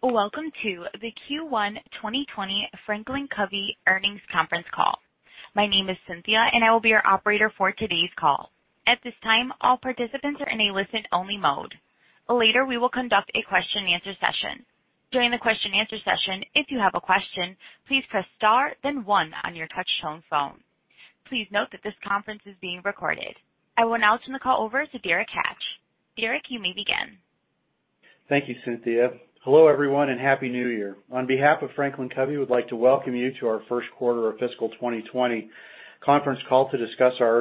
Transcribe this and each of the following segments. Welcome to the Q1 2020 Franklin Covey Earnings Conference Call. My name is Cynthia, and I will be your operator for today's call. At this time, all participants are in a listen-only mode. Later, we will conduct a question and answer session. During the question and answer session, if you have a question, please press star then one on your touch-tone phone. Please note that this conference is being recorded. I will now turn the call over to Derek Hatch. Derek, you may begin. Thank you, Cynthia. Hello, everyone, and happy New Year. On behalf of Franklin Covey, we'd like to welcome you to our first quarter of fiscal 2020 conference call to discuss our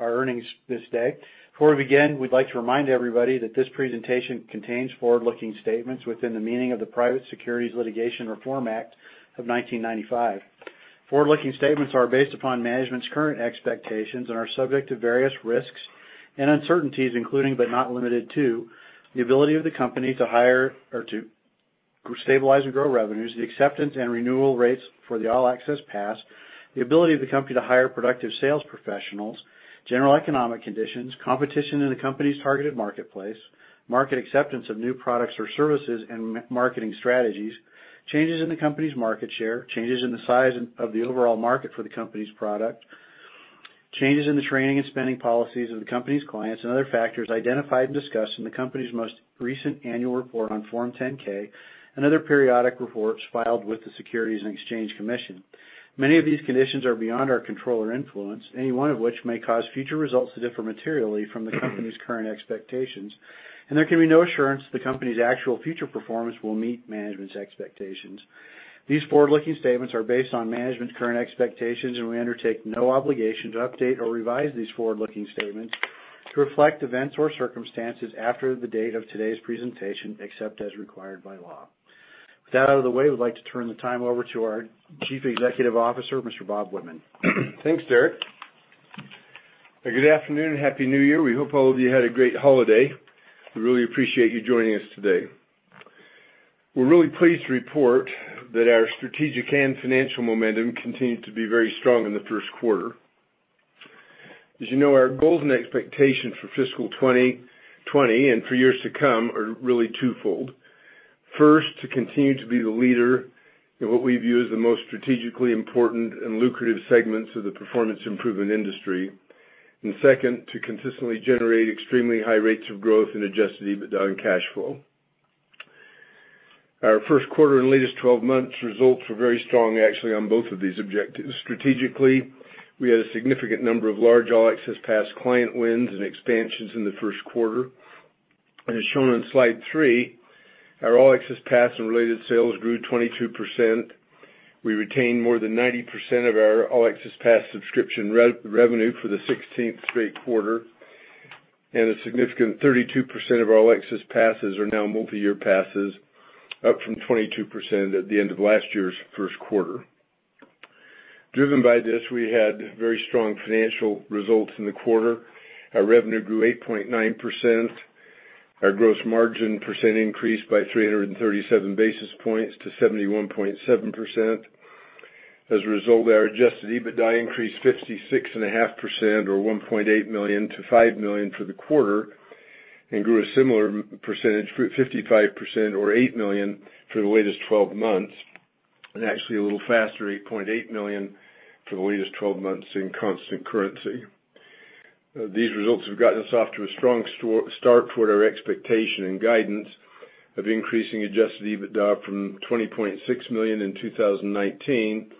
earnings this day. Before we begin, we'd like to remind everybody that this presentation contains forward-looking statements within the meaning of the Private Securities Litigation Reform Act of 1995. Forward-looking statements are based upon management's current expectations and are subject to various risks and uncertainties including, but not limited to, the ability of the company to stabilize and grow revenues, the acceptance and renewal rates for the All Access Pass, the ability of the company to hire productive sales professionals, general economic conditions, competition in the company's targeted marketplace, market acceptance of new products or services and marketing strategies, changes in the company's market share, changes in the size of the overall market for the company's product, changes in the training and spending policies of the company's clients and other factors identified and discussed in the company's most recent annual report on Form 10-K and other periodic reports filed with the Securities and Exchange Commission. Many of these conditions are beyond our control or influence, any one of which may cause future results to differ materially from the company's current expectations, and there can be no assurance the company's actual future performance will meet management's expectations. These forward-looking statements are based on management's current expectations, and we undertake no obligation to update or revise these forward-looking statements to reflect events or circumstances after the date of today's presentation, except as required by law. With that out of the way, we'd like to turn the time over to our Chief Executive Officer, Mr. Bob Whitman. Thanks, Derek. Good afternoon and happy New Year. We hope all of you had a great holiday. We really appreciate you joining us today. We're really pleased to report that our strategic and financial momentum continued to be very strong in the first quarter. As you know, our goals and expectations for fiscal 2020 and for years to come are really twofold. First, to continue to be the leader in what we view as the most strategically important and lucrative segments of the performance improvement industry. Second, to consistently generate extremely high rates of growth in adjusted EBITDA and cash flow. Our first quarter and latest 12 months results were very strong, actually, on both of these objectives. Strategically, we had a significant number of large All Access Pass client wins and expansions in the first quarter. As shown on slide three, our All Access Pass and related sales grew 22%. We retained more than 90% of our All Access Pass subscription revenue for the 16th straight quarter, and a significant 32% of our All Access Passes are now multi-year passes, up from 22% at the end of last year's first quarter. Driven by this, we had very strong financial results in the quarter. Our revenue grew 8.9%. Our gross margin percent increased by 337 basis points to 71.7%. As a result, our adjusted EBITDA increased 56.5% or $1.8 million to $5 million for the quarter. Grew a similar percentage, 55% or $8 million for the latest 12 months. Actually, a little faster, $8.8 million for the latest 12 months in constant currency. These results have gotten us off to a strong start toward our expectation and guidance of increasing adjusted EBITDA from $20.6 million in 2019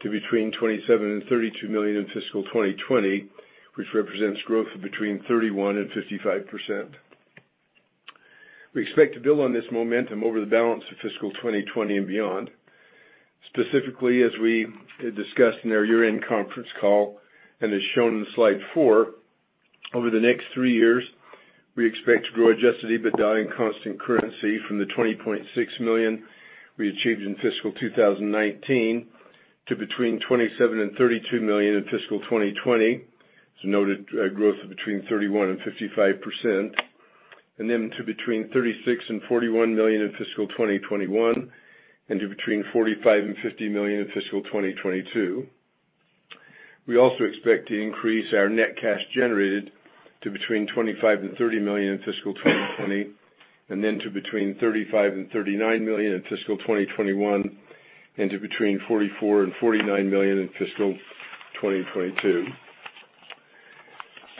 to between $27 million and $32 million in fiscal 2020, which represents growth of between 31% and 55%. We expect to build on this momentum over the balance of fiscal 2020 and beyond. Specifically, as we discussed in our year-end conference call, as shown in slide four, over the next three years, we expect to grow adjusted EBITDA in constant currency from the $20.6 million we achieved in fiscal 2019 to between $27 million and $32 million in fiscal 2020. As noted, a growth of between 31% and 55%. Then to between $36 million and $41 million in fiscal 2021, and to between $45 million and $50 million in fiscal 2022. We also expect to increase our net cash generated to between $25 million and $30 million in fiscal 2020, and then to between $35 million and $39 million in fiscal 2021, and to between $44 million and $49 million in fiscal 2022.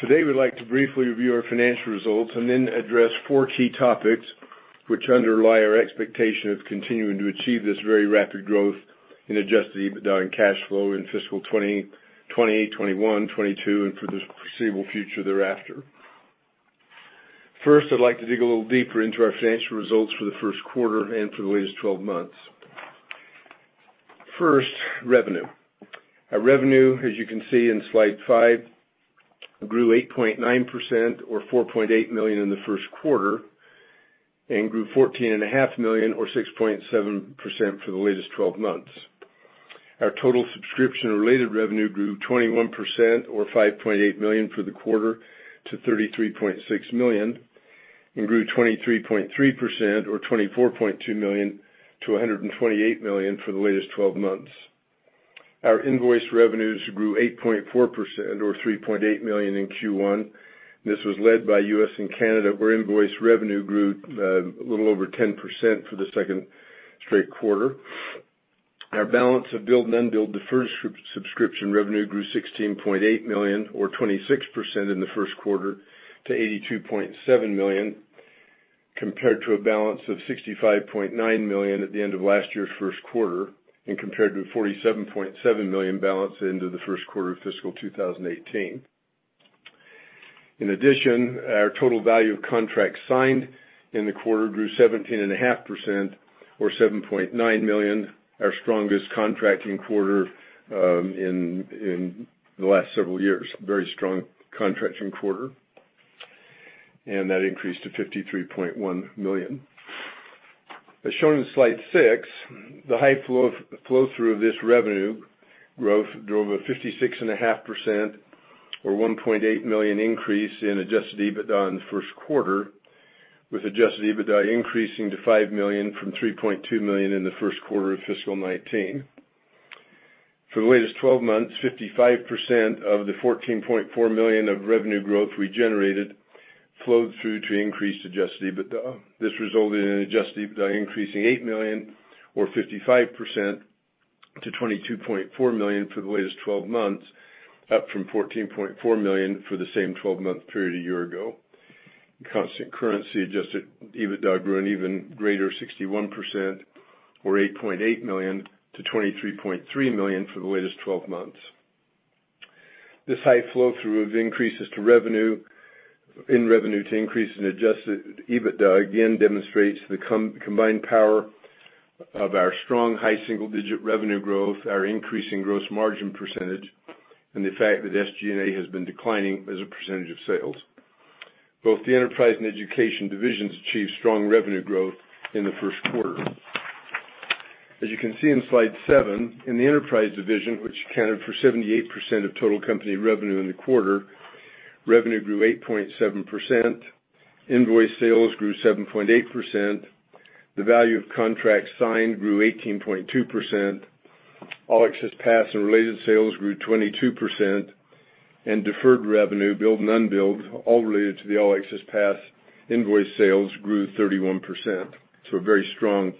Today, we'd like to briefly review our financial results and then address four key topics which underlie our expectation of continuing to achieve this very rapid growth in adjusted EBITDA and cash flow in fiscal 2020, 2021, 2022, and for the foreseeable future thereafter. I'd like to dig a little deeper into our financial results for the first quarter and for the latest 12 months. Revenue. Our revenue, as you can see in slide five, grew 8.9% or $4.8 million in the first quarter, and grew $14 and a half million or 6.7% for the latest 12 months. Our total subscription-related revenue grew 21% or $5.8 million for the quarter to $33.6 million, and grew 23.3% or $24.2 million-$128 million for the latest 12 months. Our invoice revenues grew 8.4%, or $3.8 million in Q1. This was led by U.S. and Canada, where invoice revenue grew a little over 10% for the second straight quarter. Our balance of billed and unbilled deferred subscription revenue grew $16.8 million, or 26% in the first quarter to $82.7 million, compared to a balance of $65.9 million at the end of last year's first quarter, and compared to a $47.7 million balance into the first quarter of fiscal 2018. In addition, our total value of contracts signed in the quarter grew 17.5%, or $7.9 million, our strongest contracting quarter in the last several years. Very strong contracting quarter. That increased to $53.1 million. As shown in slide six, the high flow-through of this revenue growth drove a 56.5%, or $1.8 million increase in adjusted EBITDA in the first quarter, with adjusted EBITDA increasing to $5 million from $3.2 million in the first quarter of fiscal 2019. For the latest 12 months, 55% of the $14.4 million of revenue growth we generated flowed through to increased adjusted EBITDA. This resulted in adjusted EBITDA increasing $8 million, or 55%, to $22.4 million for the latest 12 months, up from $14.4 million for the same 12-month period a year ago. In constant currency, adjusted EBITDA grew an even greater 61%, or $8.8 million, to $23.3 million for the latest 12 months. This high flow-through of increases in revenue to increase in adjusted EBITDA again demonstrates the combined power of our strong high single-digit revenue growth, our increasing gross margin percentage, and the fact that SG&A has been declining as a percentage of sales. Both the enterprise and education divisions achieved strong revenue growth in the first quarter. As you can see in slide seven, in the enterprise division, which accounted for 78% of total company revenue in the quarter, revenue grew 8.7%, invoice sales grew 7.8%, the value of contracts signed grew 18.2%, All Access Pass and related sales grew 22%, and deferred revenue, billed and unbilled, all related to the All Access Pass invoice sales grew 31%. A very strong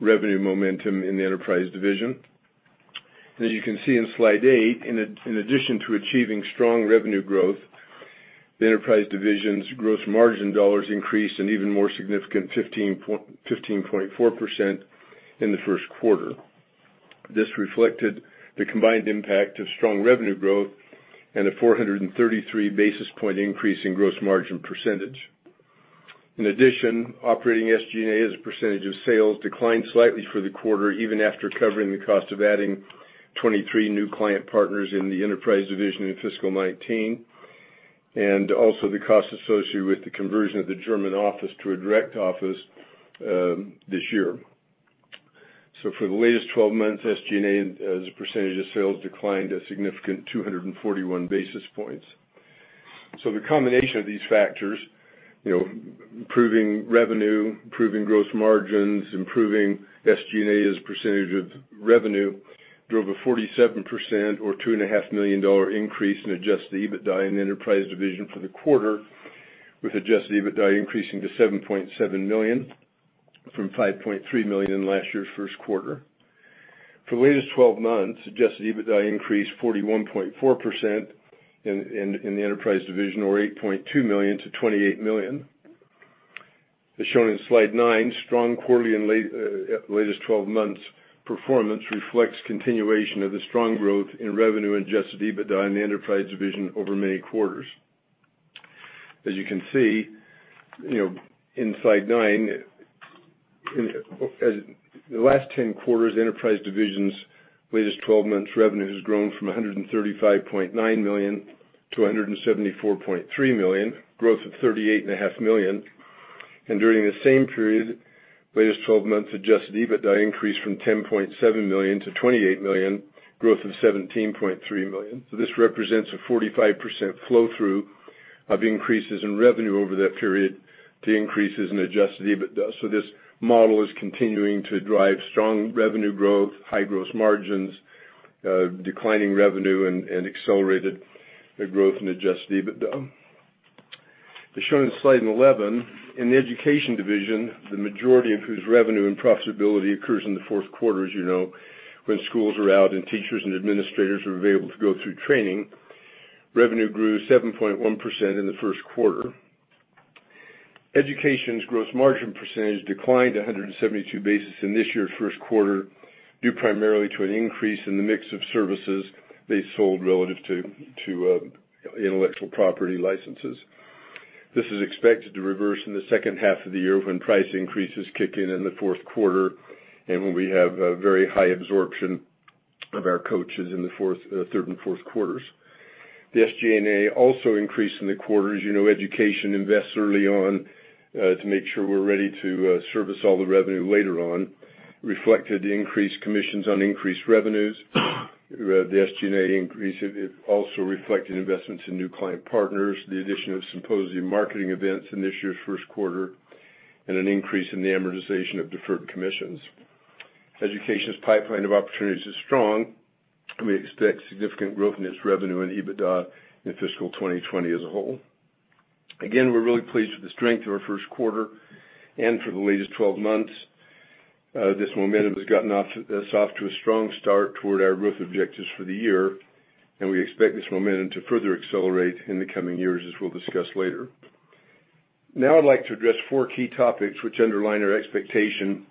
revenue momentum in the enterprise division. As you can see in slide eight, in addition to achieving strong revenue growth, the enterprise division's gross margin dollars increased an even more significant 15.4% in the first quarter. This reflected the combined impact of strong revenue growth and a 433 basis point increase in gross margin percentage. In addition, operating SG&A as a percentage of sales declined slightly for the quarter, even after covering the cost of adding 23 new client partners in the enterprise division in fiscal 2019, and also the cost associated with the conversion of the German office to a direct office this year. For the latest 12 months, SG&A as a percentage of sales declined a significant 241 basis points. The combination of these factors, improving revenue, improving gross margins, improving SG&A as a percentage of revenue, drove a 47% or $2.5 million increase in adjusted EBITDA in the enterprise division for the quarter, with adjusted EBITDA increasing to $7.7 million from $5.3 million in last year's first quarter. For the latest 12 months, adjusted EBITDA increased 41.4% in the enterprise division, or $8.2 million-$28 million. As shown in slide nine, strong quarterly and latest 12 months performance reflects continuation of the strong growth in revenue and adjusted EBITDA in the enterprise division over many quarters. As you can see in slide nine, the last 10 quarters, enterprise division's latest 12 months revenue has grown from $135.9 million to $174.3 million, growth of $38.5 million. During the same period, latest 12 months adjusted EBITDA increased from $10.7 million to $28 million, growth of $17.3 million. This represents a 45% flow-through of increases in revenue over that period to increases in adjusted EBITDA. This model is continuing to drive strong revenue growth, high gross margins, declining revenue, and accelerated growth in adjusted EBITDA. As shown in slide 11, in the education division, the majority of whose revenue and profitability occurs in the fourth quarter, as you know, when schools are out, and teachers and administrators are available to go through training, revenue grew 7.1% in the first quarter. Education's gross margin percentage declined 172 basis in this year's first quarter, due primarily to an increase in the mix of services they sold relative to intellectual property licenses. This is expected to reverse in the second half of the year when price increases kick in in the fourth quarter, and when we have a very high absorption of our coaches in the third and fourth quarters. The SG&A also increased in the quarter. As you know, education invests early on to make sure we're ready to service all the revenue later on. It reflected increased commissions on increased revenues. The SG&A increase also reflected investments in new client partners, the addition of symposium marketing events in this year's first quarter, and an increase in the amortization of deferred commissions. Education's pipeline of opportunities is strong, and we expect significant growth in its revenue and EBITDA in fiscal 2020 as a whole. Again, we're really pleased with the strength of our first quarter and for the latest 12 months. This momentum has gotten us off to a strong start toward our growth objectives for the year, and we expect this momentum to further accelerate in the coming years, as we'll discuss later. I'd like to address four key topics which underline our expectation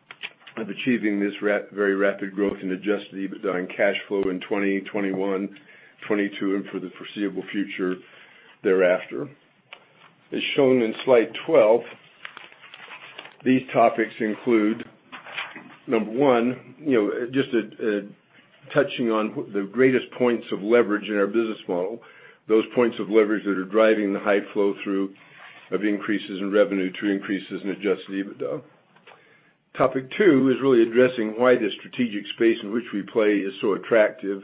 of achieving this very rapid growth in adjusted EBITDA and cash flow in 2021, 2022, and for the foreseeable future thereafter. As shown in slide 12, these topics include, number one, just touching on the greatest points of leverage in our business model, those points of leverage that are driving the high flow-through of increases in revenue to increases in adjusted EBITDA. Topic two is really addressing why the strategic space in which we play is so attractive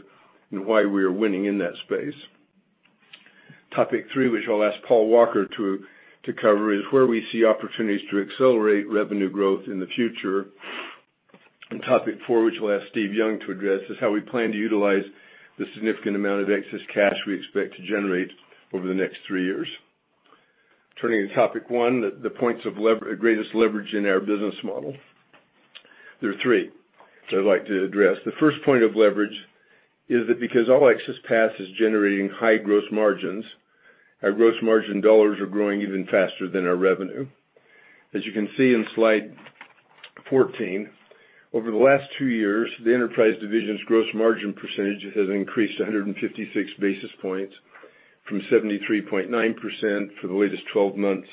and why we are winning in that space. Topic three, which I'll ask Paul Walker to cover, is where we see opportunities to accelerate revenue growth in the future. Topic four, which we'll ask Steve Young to address, is how we plan to utilize the significant amount of excess cash we expect to generate over the next three years. Turning to topic one, the points of greatest leverage in our business model. There are three that I'd like to address. The first point of leverage is that because All Access Pass is generating high gross margins, our gross margin dollars are growing even faster than our revenue. As you can see in slide 14, over the last two years, the enterprise division's gross margin percentage has increased 156 basis points from 73.9% for the latest 12 months,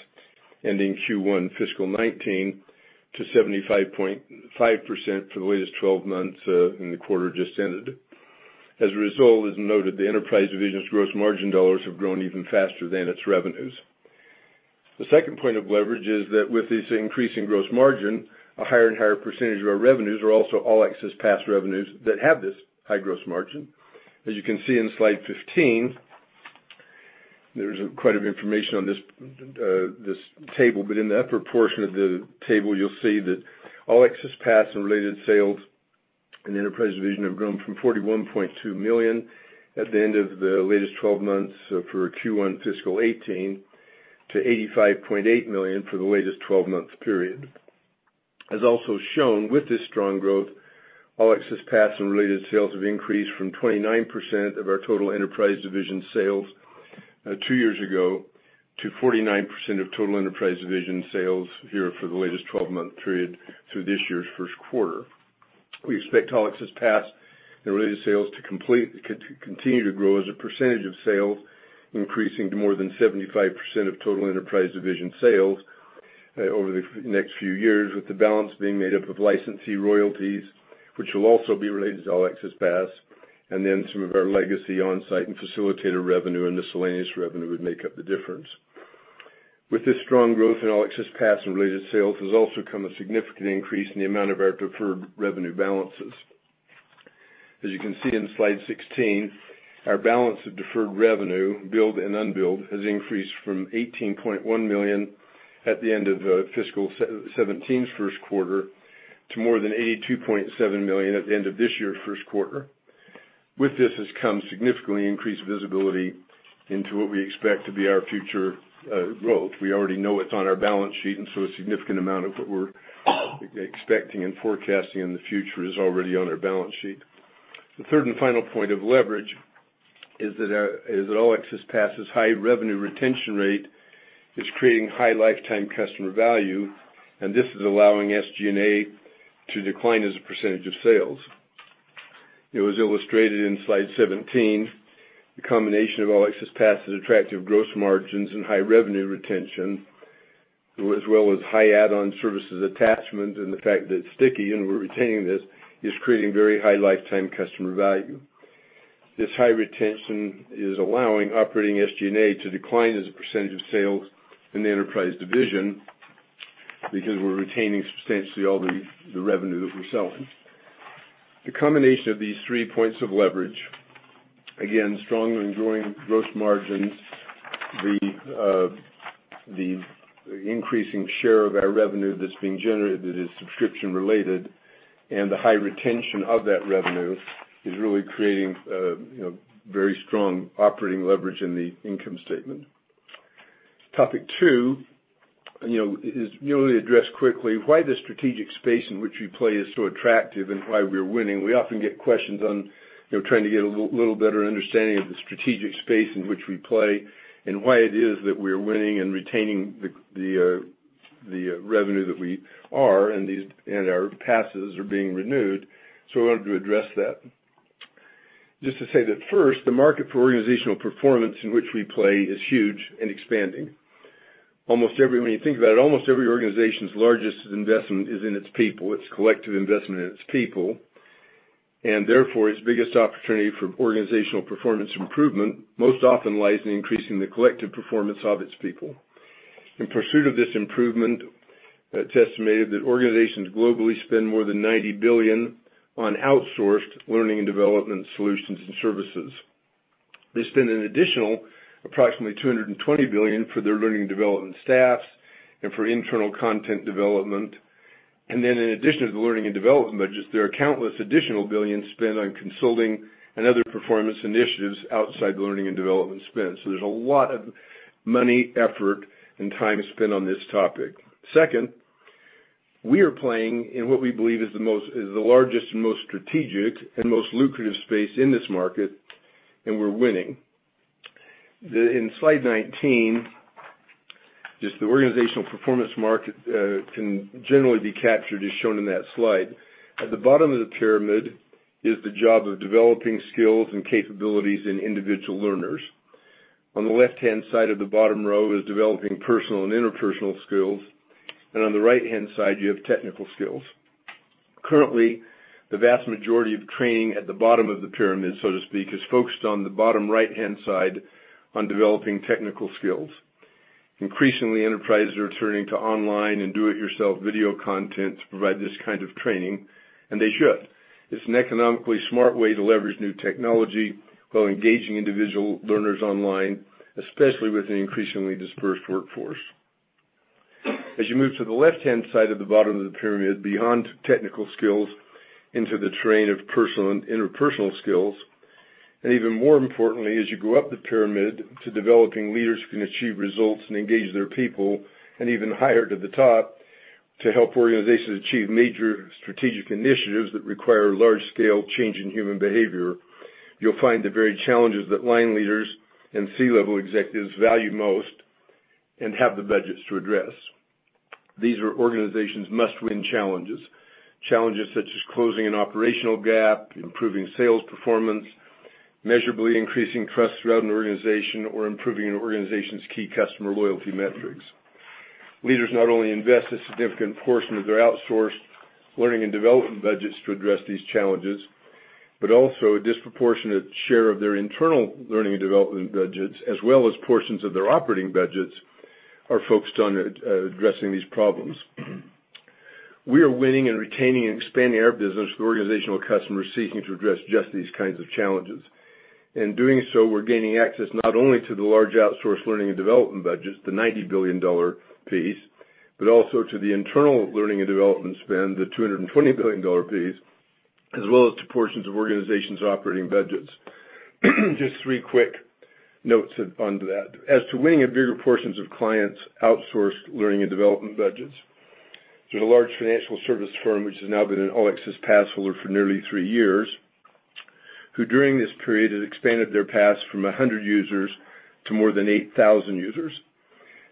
ending Q1 fiscal 2019, to 75.5% for the latest 12 months in the quarter just ended. As a result, as noted, the enterprise division's gross margin dollars have grown even faster than its revenues. The second point of leverage is that with this increase in gross margin, a higher and higher percentage of our revenues are also All Access Pass revenues that have this high gross margin. As you can see in slide 15, there's quite a bit of information on this table, but in the upper portion of the table, you'll see that All Access Pass and related sales in the enterprise division have grown from $41.2 million at the end of the latest 12 months for Q1 fiscal 2018 to $85.8 million for the latest 12 month period. As also shown with this strong growth, All Access Pass and related sales have increased from 29% of our total enterprise division sales two years ago to 49% of total enterprise division sales here for the latest 12-month period through this year's first quarter. We expect All Access Pass and related sales to continue to grow as a percentage of sales, increasing to more than 75% of total enterprise division sales over the next few years, with the balance being made up of licensee royalties, which will also be related to All Access Pass, and then some of our legacy on-site and facilitator revenue and miscellaneous revenue would make up the difference. With this strong growth in All Access Pass and related sales has also come a significant increase in the amount of our deferred revenue balances. As you can see in slide 16, our balance of deferred revenue, billed and unbilled, has increased from $18.1 million at the end of fiscal 2017's first quarter to more than $82.7 million at the end of this year's first quarter. With this has come significantly increased visibility into what we expect to be our future growth. We already know it's on our balance sheet, a significant amount of what we're expecting and forecasting in the future is already on our balance sheet. The third and final point of leverage is that All Access Pass' high revenue retention rate is creating high lifetime customer value, this is allowing SG&A to decline as a percentage of sales. It was illustrated in slide 17, the combination of All Access Pass' attractive gross margins and high revenue retention, as well as high add-on services attachment and the fact that it's sticky and we're retaining this, is creating very high lifetime customer value. This high retention is allowing operating SG&A to decline as a percentage of sales in the enterprise division because we're retaining substantially all the revenue that we're selling. The combination of these three points of leverage, again, strong and growing gross margins, the increasing share of our revenue that's being generated that is subscription related, and the high retention of that revenue, is really creating very strong operating leverage in the income statement. Topic two is merely address quickly why the strategic space in which we play is so attractive and why we're winning. We often get questions on trying to get a little better understanding of the strategic space in which we play and why it is that we're winning and retaining the revenue that we are and our passes are being renewed. We wanted to address that. Just to say that first, the market for organizational performance in which we play is huge and expanding. When you think about it, almost every organization's largest investment is in its people, its collective investment in its people. Therefore, its biggest opportunity for organizational performance improvement most often lies in increasing the collective performance of its people. In pursuit of this improvement, it's estimated that organizations globally spend more than $90 billion on outsourced learning and development solutions and services. They spend an additional approximately $220 billion for their learning and development staffs and for internal content development. In addition to the learning and development budgets, there are countless additional billions spent on consulting and other performance initiatives outside learning and development spend. There's a lot of money, effort, and time spent on this topic. Second, we are playing in what we believe is the largest and most strategic and most lucrative space in this market, and we're winning. In slide 19, just the organizational performance market can generally be captured as shown in that slide. At the bottom of the pyramid is the job of developing skills and capabilities in individual learners. On the left-hand side of the bottom row is developing personal and interpersonal skills, and on the right-hand side, you have technical skills. Currently, the vast majority of training at the bottom of the pyramid, so to speak, is focused on the bottom right-hand side on developing technical skills. Increasingly, enterprises are turning to online and do-it-yourself video content to provide this kind of training, and they should. It's an economically smart way to leverage new technology while engaging individual learners online, especially with an increasingly dispersed workforce. As you move to the left-hand side of the bottom of the pyramid, beyond technical skills into the terrain of personal and interpersonal skills, and even more importantly, as you go up the pyramid to developing leaders who can achieve results and engage their people and even higher to the top to help organizations achieve major strategic initiatives that require large-scale change in human behavior, you'll find the very challenges that line leaders and C-level executives value most and have the budgets to address. These are organizations must-win challenges. Challenges such as closing an operational gap, improving sales performance, measurably increasing trust throughout an organization, or improving an organization's key customer loyalty metrics. Leaders not only invest a significant portion of their outsourced learning and development budgets to address these challenges, but also a disproportionate share of their internal learning and development budgets, as well as portions of their operating budgets, are focused on addressing these problems. We are winning and retaining and expanding our business with organizational customers seeking to address just these kinds of challenges. In doing so, we're gaining access not only to the large outsourced learning and development budgets, the $90 billion piece, but also to the internal learning and development spend, the $220 billion piece, as well as to portions of organizations' operating budgets. Just three quick notes on that. As to winning a bigger portion of clients' outsourced learning and development budgets, there's a large financial service firm which has now been an All Access Pass holder for nearly three years, who during this period has expanded their pass from 100 users to more than 8,000 users.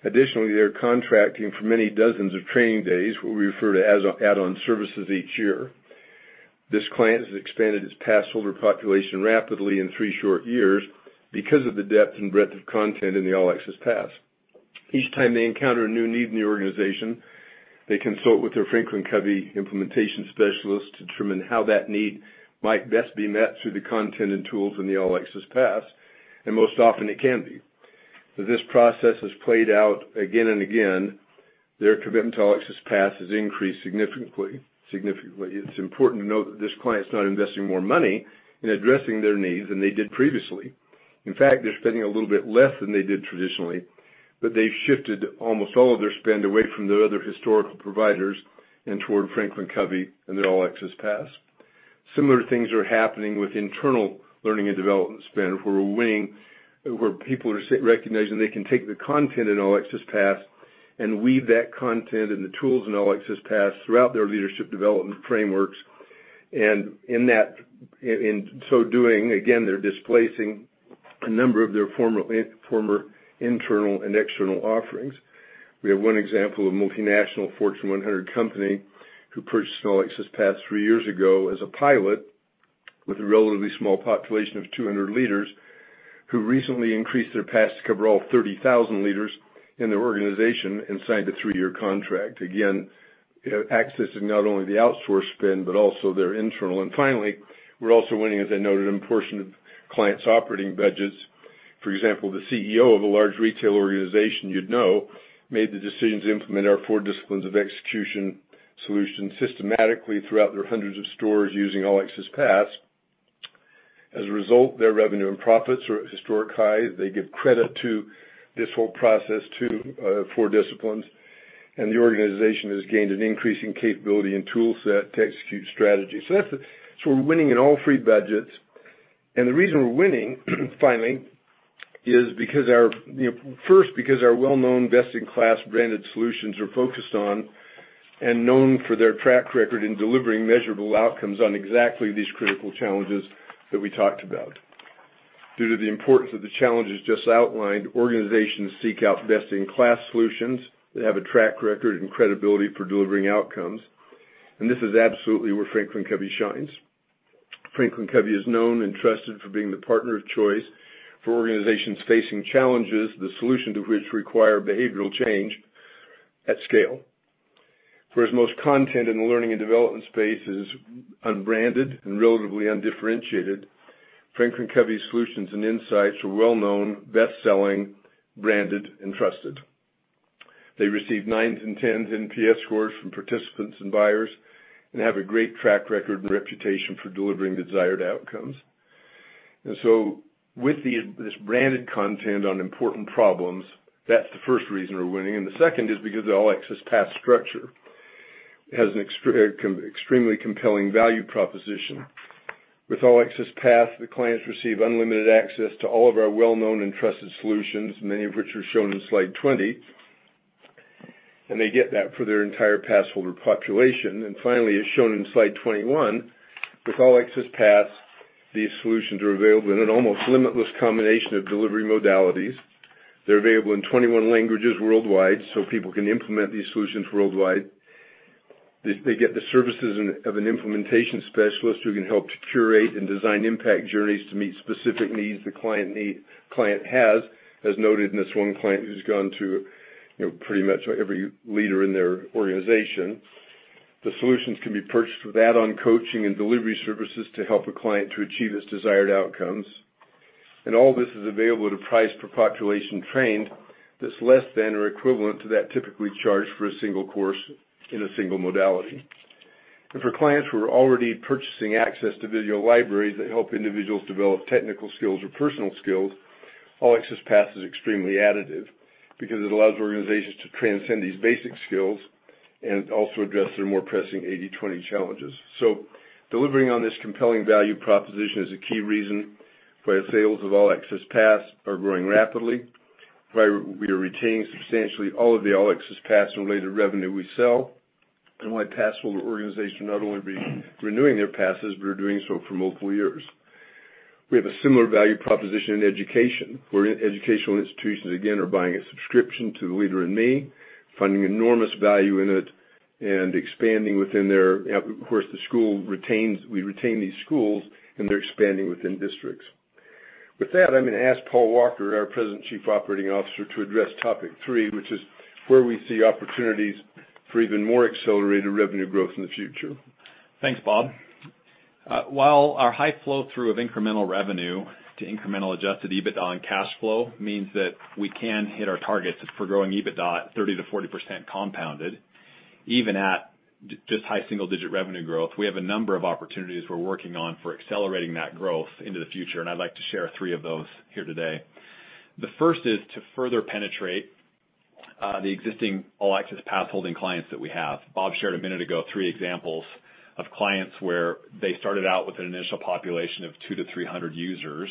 Additionally, they are contracting for many dozens of training days, what we refer to as add-on services each year. This client has expanded its pass holder population rapidly in three short years because of the depth and breadth of content in the All Access Pass. Each time they encounter a new need in the organization, they consult with their Franklin Covey implementation specialist to determine how that need might best be met through the content and tools in the All Access Pass. Most often it can be. As this process has played out again and again, their commitment to All Access Pass has increased significantly. It's important to note that this client's not investing more money in addressing their needs than they did previously. In fact, they're spending a little bit less than they did traditionally, but they've shifted almost all of their spend away from their other historical providers and toward Franklin Covey and their All Access Pass. Similar things are happening with internal learning and development spend, where people are recognizing they can take the content in All Access Pass and weave that content and the tools in All Access Pass throughout their leadership development frameworks. In so doing, again, they're displacing a number of their former internal and external offerings. We have one example of a multinational Fortune 100 company who purchased an All Access Pass three years ago as a pilot with a relatively small population of 200 leaders who recently increased their pass to cover all 30,000 leaders in their organization and signed a three-year contract. Accessing not only the outsource spend but also their internal. Finally, we're also winning, as I noted, a portion of clients' operating budgets. For example, the CEO of a large retail organization you'd know made the decision to implement our Four Disciplines of Execution solution systematically throughout their hundreds of stores using All Access Pass. Their revenue and profits are at historic highs. They give credit to this whole process to Four Disciplines, and the organization has gained an increase in capability and toolset to execute strategy. We're winning in all three budgets. The reason we're winning, finally, is first because our well-known, best-in-class branded solutions are focused on and known for their track record in delivering measurable outcomes on exactly these critical challenges that we talked about. Due to the importance of the challenges just outlined, organizations seek out best-in-class solutions that have a track record and credibility for delivering outcomes. This is absolutely where Franklin Covey shines. Franklin Covey is known and trusted for being the partner of choice for organizations facing challenges, the solution to which require behavioral change at scale. Whereas most content in the learning and development space is unbranded and relatively undifferentiated, Franklin Covey's solutions and insights are well-known, best-selling, branded, and trusted. They receive nines and 10s NPS scores from participants and buyers, and have a great track record and reputation for delivering desired outcomes. With this branded content on important problems, that's the first reason we're winning, and the second is because the All Access Pass structure has an extremely compelling value proposition. With All Access Pass, the clients receive unlimited access to all of our well-known and trusted solutions, many of which are shown in slide 20, and they get that for their entire passholder population. Finally, as shown in slide 21, with All Access Pass, these solutions are available in an almost limitless combination of delivery modalities. They're available in 21 languages worldwide, so people can implement these solutions worldwide. They get the services of an implementation specialist who can help to curate and design impact journeys to meet specific needs the client has, as noted in this one client who's gone to pretty much every leader in their organization. The solutions can be purchased with add-on coaching and delivery services to help a client to achieve its desired outcomes. All this is available at a price per population trained that's less than or equivalent to that typically charged for a single course in a single modality. For clients who are already purchasing access to video libraries that help individuals develop technical skills or personal skills, All Access Pass is extremely additive because it allows organizations to transcend these basic skills and also address their more pressing 80/20 challenges. Delivering on this compelling value proposition is a key reason why the sales of All Access Pass are growing rapidly, why we are retaining substantially all of the All Access Pass and related revenue we sell, and why passholder organizations are not only renewing their passes, but are doing so for multiple years. We have a similar value proposition in education, where educational institutions, again, are buying a subscription to The Leader in Me, finding enormous value in it, and expanding within districts. Of course, we retain these schools, and they're expanding within districts. With that, I'm going to ask Paul Walker, our President and Chief Operating Officer, to address topic three, which is where we see opportunities for even more accelerated revenue growth in the future. Thanks, Bob. While our high flow-through of incremental revenue to incremental adjusted EBITDA and cash flow means that we can hit our targets for growing EBITDA 30%-40% compounded, even at just high single-digit revenue growth. We have a number of opportunities we're working on for accelerating that growth into the future. I'd like to share three of those here today. The first is to further penetrate the existing All Access Pass-holding clients that we have. Bob shared a minute ago three examples of clients where they started out with an initial population of 200-300 users,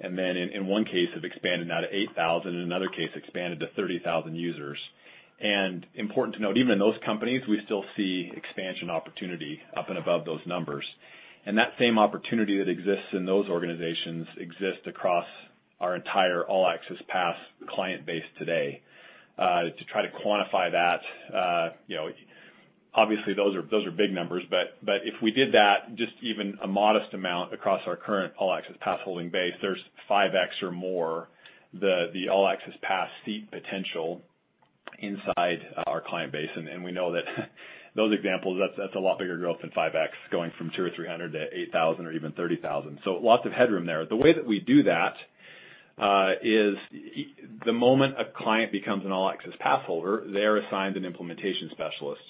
and then in one case, have expanded now to 8,000, in another case, expanded to 30,000 users. Important to note, even in those companies, we still see expansion opportunity up and above those numbers. That same opportunity that exists in those organizations exists across our entire All Access Pass client base today. To try to quantify that, obviously, those are big numbers, but if we did that just even a modest amount across our current All Access Pass holding base, there's 5x or more the All Access Pass seat potential inside our client base. We know that those examples, that's a lot bigger growth than 5x, going from 200 or 300 to 8,000 or even 30,000. Lots of headroom there. The way that we do that is the moment a client becomes an All Access Pass holder, they are assigned an implementation specialist.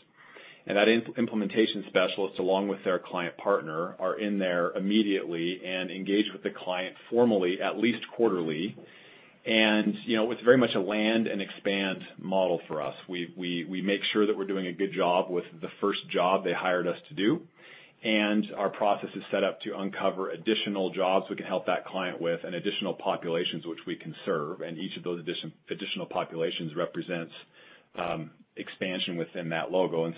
That implementation specialist, along with their client partner, are in there immediately and engaged with the client formally at least quarterly. It's very much a land and expand model for us. We make sure that we're doing a good job with the first job they hired us to do. Our process is set up to uncover additional jobs we can help that client with and additional populations which we can serve. Each of those additional populations represents expansion within that logo.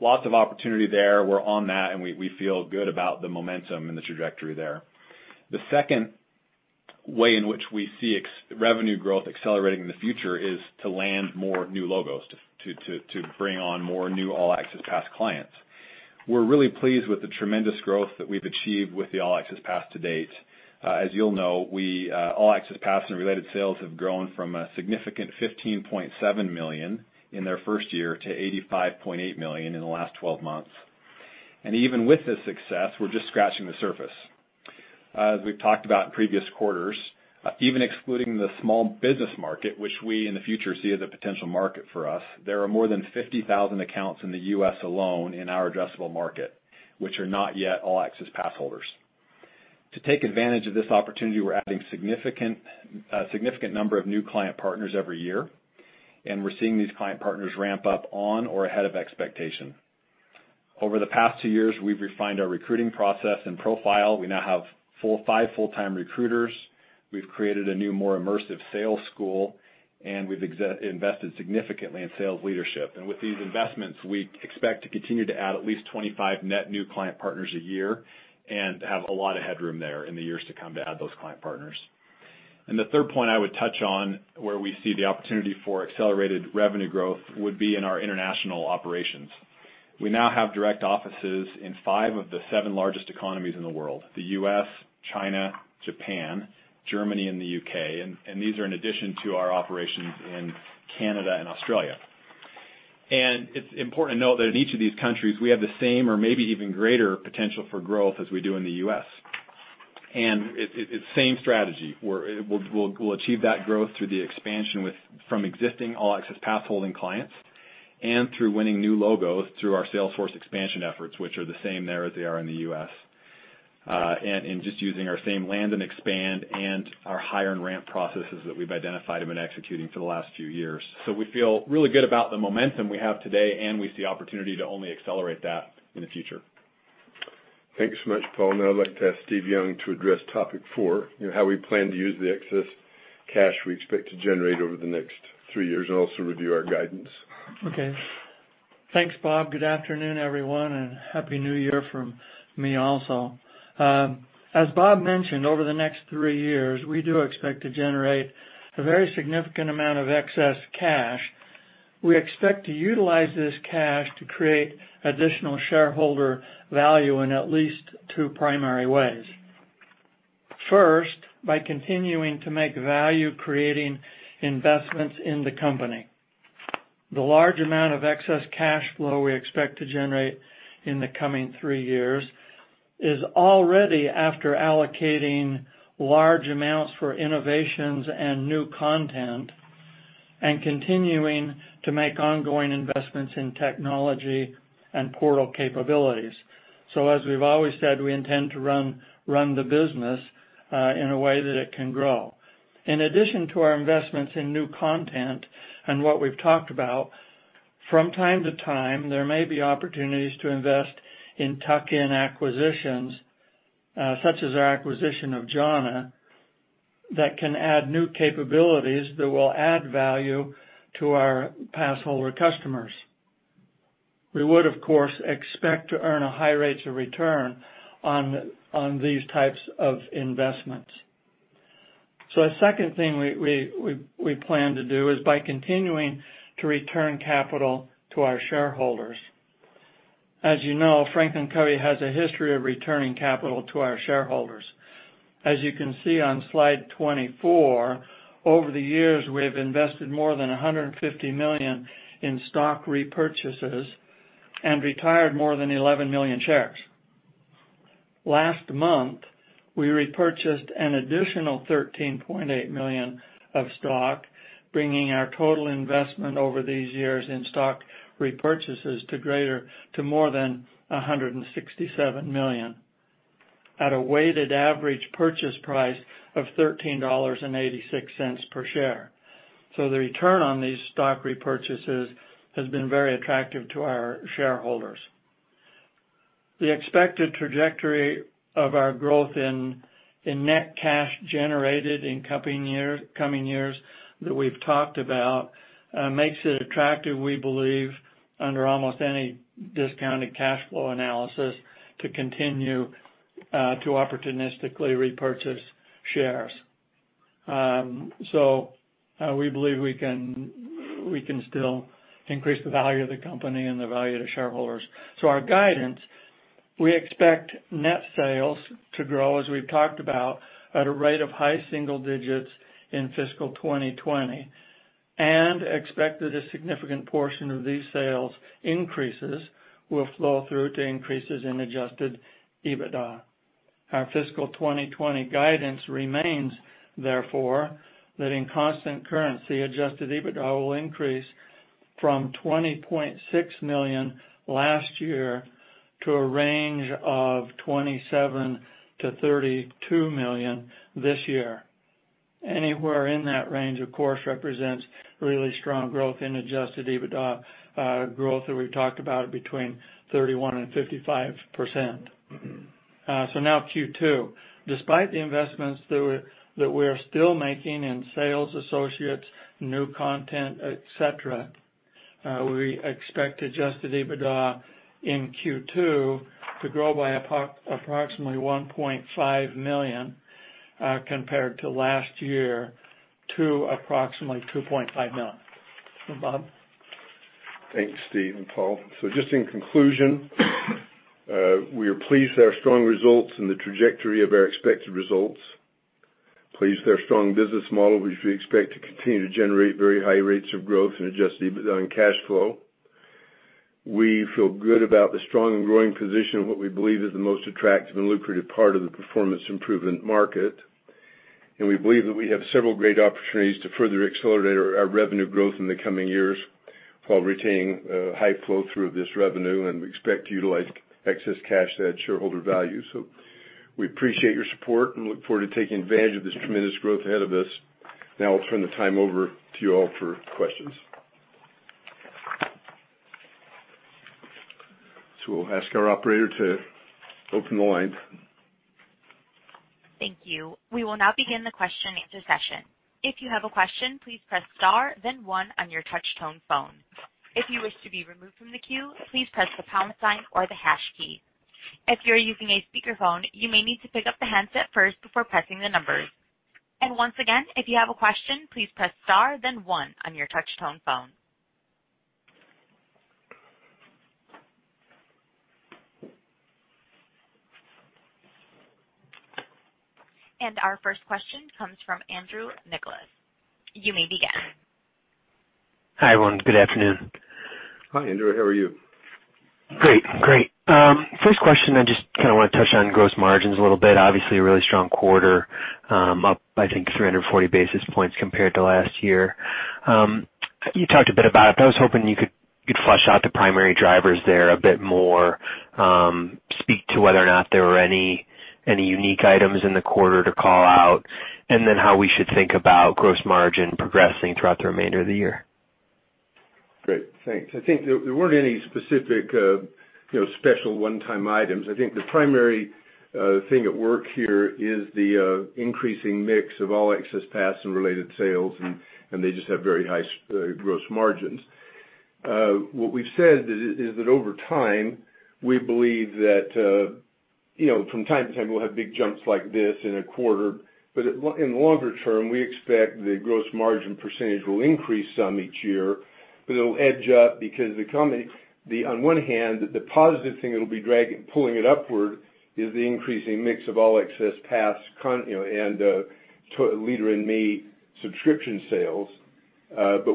Lots of opportunity there. We're on that. We feel good about the momentum and the trajectory there. The second way in which we see revenue growth accelerating in the future is to land more new logos, to bring on more new All Access Pass clients. We're really pleased with the tremendous growth that we've achieved with the All Access Pass to date. As you'll know, All Access Pass and related sales have grown from a significant $15.7 million in their first year to $85.8 million in the last 12 months. Even with this success, we're just scratching the surface. As we've talked about in previous quarters, even excluding the small business market, which we in the future see as a potential market for us, there are more than 50,000 accounts in the U.S. alone in our addressable market, which are not yet All Access Pass holders. To take advantage of this opportunity, we're adding a significant number of new client partners every year, and we're seeing these client partners ramp up on or ahead of expectation. Over the past two years, we've refined our recruiting process and profile. We now have five full-time recruiters. We've created a new, more immersive sales school, and we've invested significantly in sales leadership. With these investments, we expect to continue to add at least 25 net new client partners a year and have a lot of headroom there in the years to come to add those client partners. The third point I would touch on where we see the opportunity for accelerated revenue growth would be in our international operations. We now have direct offices in five of the seven largest economies in the world: the U.S., China, Japan, Germany, and the U.K. These are in addition to our operations in Canada and Australia. It's important to note that in each of these countries, we have the same or maybe even greater potential for growth as we do in the U.S. It's same strategy, we'll achieve that growth through the expansion from existing All Access Pass-holding clients and through winning new logos through our sales force expansion efforts, which are the same there as they are in the U.S. Just using our same land and expand and our hire and ramp processes that we've identified and been executing for the last few years. We feel really good about the momentum we have today, and we see opportunity to only accelerate that in the future. Thanks so much, Paul. Now I'd like to ask Steve Young to address topic four, how we plan to use the excess cash we expect to generate over the next three years, and also review our guidance. Okay. Thanks, Bob. Good afternoon, everyone, and happy New Year from me also. As Bob mentioned, over the next three years, we do expect to generate a very significant amount of excess cash. We expect to utilize this cash to create additional shareholder value in at least two primary ways. First, by continuing to make value-creating investments in the company. The large amount of excess cash flow we expect to generate in the coming three years is already after allocating large amounts for innovations and new content and continuing to make ongoing investments in technology and portal capabilities. As we've always said, we intend to run the business in a way that it can grow. In addition to our investments in new content and what we've talked about, from time to time, there may be opportunities to invest in tuck-in acquisitions, such as our acquisition of Jhana, that can add new capabilities that will add value to our passholder customers. We would, of course, expect to earn high rates of return on these types of investments. A second thing we plan to do is by continuing to return capital to our shareholders. As you know, Franklin Covey has a history of returning capital to our shareholders. As you can see on slide 24, over the years, we have invested more than $150 million in stock repurchases and retired more than 11 million shares. Last month, we repurchased an additional $13.8 million of stock, bringing our total investment over these years in stock repurchases to more than $167 million at a weighted average purchase price of $13.86 per share. The return on these stock repurchases has been very attractive to our shareholders. The expected trajectory of our growth in net cash generated in coming years that we've talked about makes it attractive, we believe, under almost any discounted cash flow analysis to continue to opportunistically repurchase shares. We believe we can still increase the value of the company and the value to shareholders. Our guidance, we expect net sales to grow, as we've talked about, at a rate of high single digits in fiscal 2020 and expect that a significant portion of these sales increases will flow through to increases in adjusted EBITDA. Our fiscal 2020 guidance remains, therefore, that in constant currency, adjusted EBITDA will increase from $20.6 million last year to a range of $27 million-$32 million this year. Anywhere in that range, of course, represents really strong growth in adjusted EBITDA, growth that we've talked about between 31% and 55%. Now Q2. Despite the investments that we're still making in sales associates, new content, et cetera, we expect adjusted EBITDA in Q2 to grow by approximately $1.5 million compared to last year to approximately $2.5 million. Bob? Thanks, Steve and Paul. Just in conclusion, we are pleased with our strong results and the trajectory of our expected results. Pleased with our strong business model, which we expect to continue to generate very high rates of growth in adjusted EBITDA and cash flow. We feel good about the strong and growing position of what we believe is the most attractive and lucrative part of the performance improvement market. We believe that we have several great opportunities to further accelerate our revenue growth in the coming years while retaining a high flow-through of this revenue. We expect to utilize excess cash to add shareholder value. We appreciate your support and look forward to taking advantage of this tremendous growth ahead of us. Now I'll turn the time over to you all for questions. We'll ask our operator to open the line. Thank you. We will now begin the question and answer session. If you have a question, please press star then one on your touch-tone phone. If you wish to be removed from the queue, please press the pound sign or the hash key. If you're using a speakerphone, you may need to pick up the handset first before pressing the numbers. Once again, if you have a question, please press star then one on your touch-tone phone. Our first question comes from Andrew Nicholas. You may begin. Hi, everyone. Good afternoon. Hi, Andrew. How are you? Great. First question, I just want to touch on gross margins a little bit. Obviously, a really strong quarter, up, I think, 340 basis points compared to last year. You talked a bit about it. I was hoping you could flesh out the primary drivers there a bit more, speak to whether or not there were any unique items in the quarter to call out, and then how we should think about gross margin progressing throughout the remainder of the year. Great. Thanks. I think there weren't any specific special one-time items. I think the primary thing at work here is the increasing mix of All Access Pass and related sales. They just have very high gross margins. What we've said is that over time, we believe that from time to time, we'll have big jumps like this in a quarter. In the longer term, we expect the gross margin percentage will increase some each year, but it'll edge up because on one hand, the positive thing that'll be pulling it upward is the increasing mix of All Access Pass and Leader in Me subscription sales.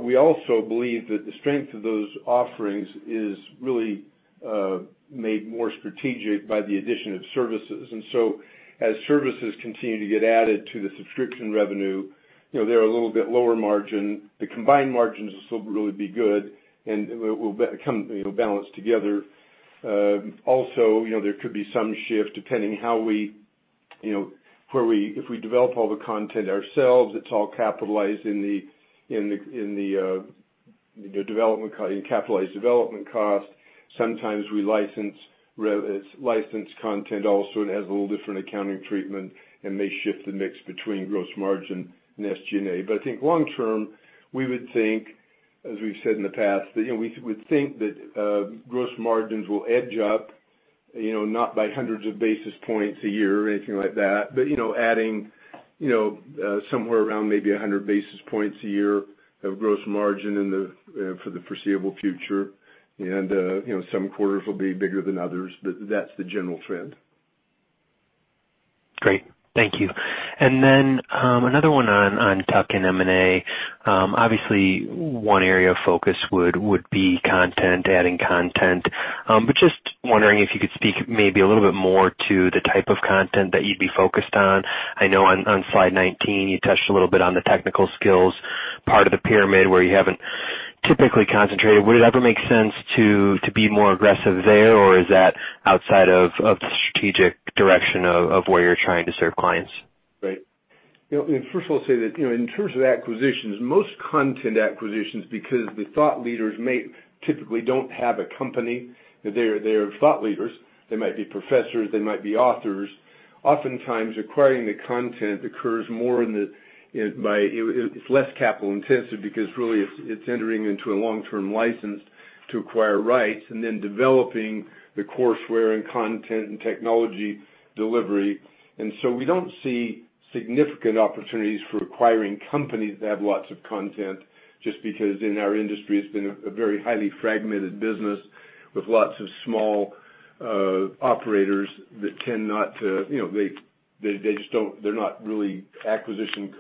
We also believe that the strength of those offerings is really made more strategic by the addition of services. As services continue to get added to the subscription revenue, they're a little bit lower margin. The combined margins will still really be good, and will balance together. There could be some shift depending if we develop all the content ourselves, it's all capitalized in capitalized development cost. Sometimes we license content also. It has a little different accounting treatment and may shift the mix between gross margin and SG&A. I think long-term, as we've said in the past, that we would think that gross margins will edge up, not by hundreds of basis points a year or anything like that, but adding somewhere around maybe 100 basis points a year of gross margin for the foreseeable future. Some quarters will be bigger than others. That's the general trend. Great. Thank you. Then, another one on tuck-in M&A. Obviously, one area of focus would be adding content. Just wondering if you could speak maybe a little bit more to the type of content that you'd be focused on. I know on slide 19, you touched a little bit on the technical skills part of the pyramid where you haven't typically concentrated. Would it ever make sense to be more aggressive there, or is that outside of the strategic direction of where you're trying to serve clients? Right. First of all, I'll say that, in terms of acquisitions, most content acquisitions, because the thought leaders typically don't have a company. They are thought leaders. They might be professors, they might be authors. Oftentimes, acquiring the content is less capital-intensive because really, it's entering into a long-term license to acquire rights, and then developing the courseware and content and technology delivery. We don't see significant opportunities for acquiring companies that have lots of content, just because in our industry, it's been a very highly fragmented business with lots of small operators. They're not really acquisition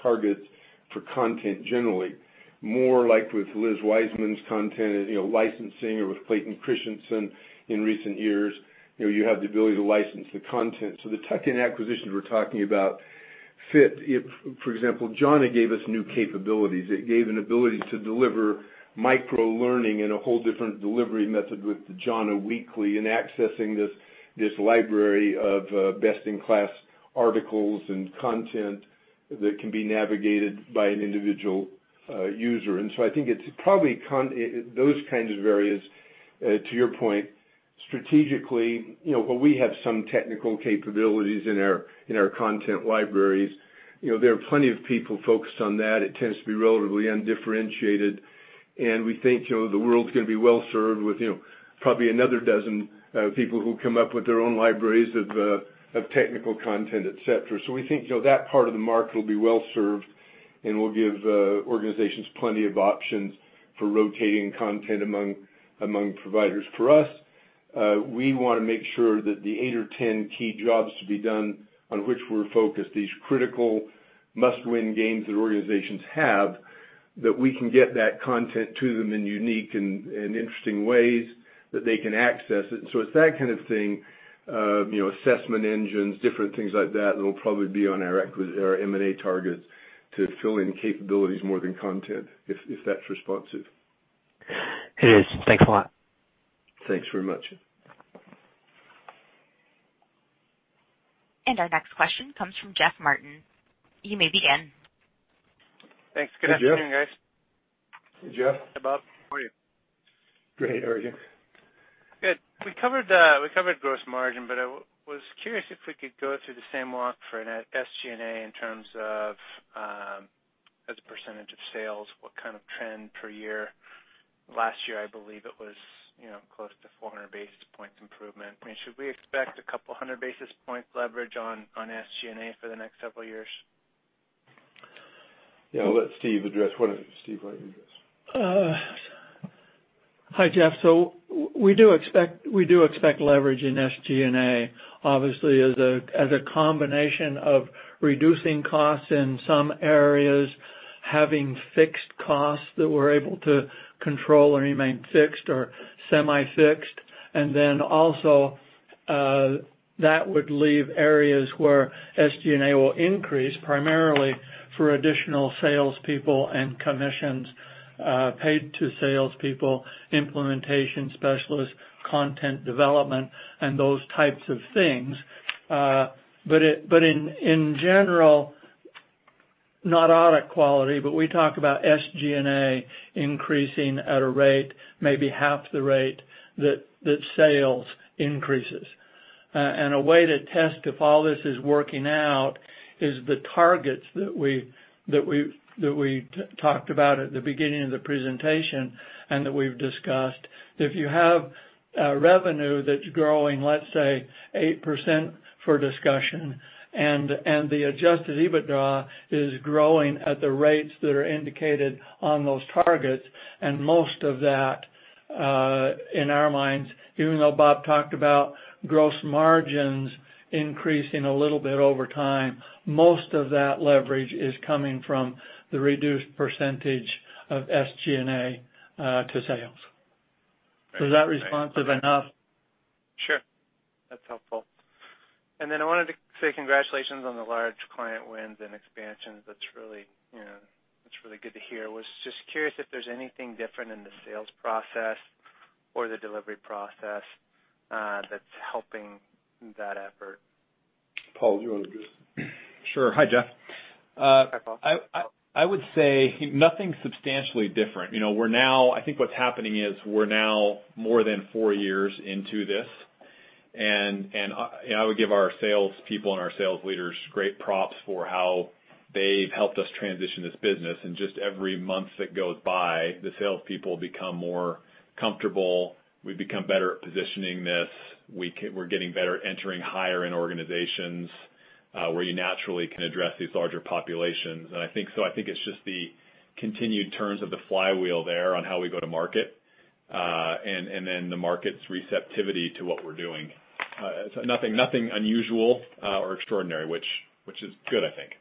targets for content, generally. More like with Liz Wiseman's content, licensing or with Clayton Christensen in recent years, you have the ability to license the content. The tuck-in acquisitions we're talking about fit. For example, Jhana gave us new capabilities. It gave an ability to deliver microlearning in a whole different delivery method with the Jhana Weekly and accessing this library of best-in-class articles and content that can be navigated by an individual user. I think it's probably those kinds of areas, to your point, strategically, where we have some technical capabilities in our content libraries. There are plenty of people focused on that. It tends to be relatively undifferentiated, and we think the world's going to be well-served with probably another dozen people who come up with their own libraries of technical content, et cetera. We think that part of the market will be well-served and will give organizations plenty of options for rotating content among providers. For us, we want to make sure that the eight or 10 key jobs to be done on which we're focused, these critical must-win games that organizations have, that we can get that content to them in unique and interesting ways that they can access it. It's that kind of thing, assessment engines, different things like that'll probably be on our M&A targets to fill in capabilities more than content, if that's responsive. It is. Thanks a lot. Thanks very much. Our next question comes from Jeff Martin. You may begin. Thanks. Good afternoon, guys. Hey, Jeff. Hey, Bob. How are you? Great. How are you? Good. We covered gross margin. I was curious if we could go through the same walk for an SG&A in terms of as a percentage of sales, what kind of trend per year? Last year, I believe it was close to 400 basis points improvement. Should we expect a couple of hundred basis points leverage on SG&A for the next several years? Yeah. Why don't you, Steve, address? Hi, Jeff. We do expect leverage in SG&A, obviously as a combination of reducing costs in some areas, having fixed costs that we're able to control or remain fixed or semi-fixed. That would leave areas where SG&A will increase, primarily for additional salespeople and commissions paid to salespeople, implementation specialists, content development, and those types of things. In general, not audit quality, but we talk about SG&A increasing at a rate may be half the rate that sales increases. A way to test if all this is working out is the targets that we talked about at the beginning of the presentation and that we've discussed. If you have revenue that's growing, let's say 8% for discussion, and the adjusted EBITDA is growing at the rates that are indicated on those targets, and most of that, in our minds, even though Bob talked about gross margins increasing a little bit over time, most of that leverage is coming from the reduced percentage of SG&A to sales. Was that responsive enough? Sure. That's helpful. I wanted to say congratulations on the large client wins and expansions. That's really good to hear. I was just curious if there's anything different in the sales process or the delivery process that's helping that effort. Paul, do you want to address that? Sure. Hi, Jeff. Hi, Paul. I would say nothing substantially different. I think what's happening is we're now more than four years into this, and I would give our salespeople and our sales leaders great props for how they've helped us transition this business. Just every month that goes by, the salespeople become more comfortable. We've become better at positioning this. We're getting better at entering higher-end organizations, where you naturally can address these larger populations. I think it's just the continued turns of the flywheel there on how we go to market, and then the market's receptivity to what we're doing. Nothing unusual or extraordinary, which is good, I think.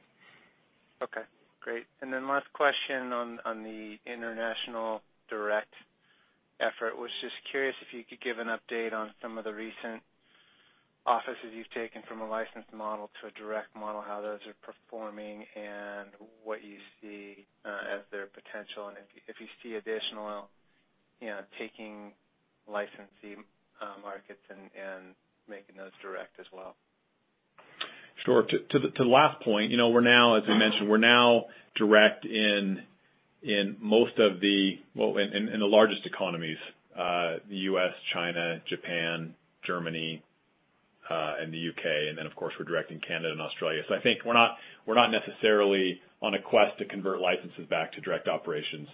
Okay, great. Last question on the international direct effort. I was just curious if you could give an update on some of the recent offices you've taken from a licensed model to a direct model, how those are performing, and what you see as their potential, and if you see additional taking licensee markets and making those direct as well. Sure. To the last point, as I mentioned, we're now direct in the largest economies, the U.S., China, Japan, Germany, and the U.K. Of course, we're direct in Canada and Australia. I think we're not necessarily on a quest to convert licenses back to direct operations.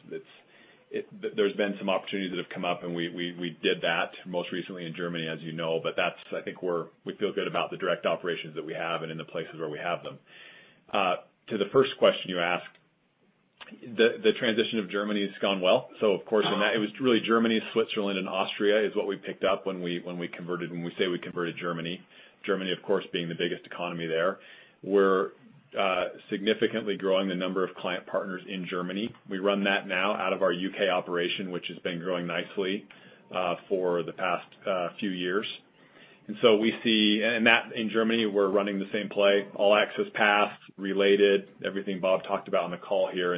There's been some opportunities that have come up. We did that most recently in Germany, as you know. I think we feel good about the direct operations that we have and in the places where we have them. To the first question you asked, the transition of Germany has gone well. Of course, it was really Germany, Switzerland, and Austria is what we picked up when we converted. When we say we converted Germany, of course, being the biggest economy there. We're significantly growing the number of client partners in Germany. We run that now out of our U.K. operation, which has been growing nicely for the past few years. In Germany, we're running the same play, All Access Pass related, everything Bob talked about on the call here.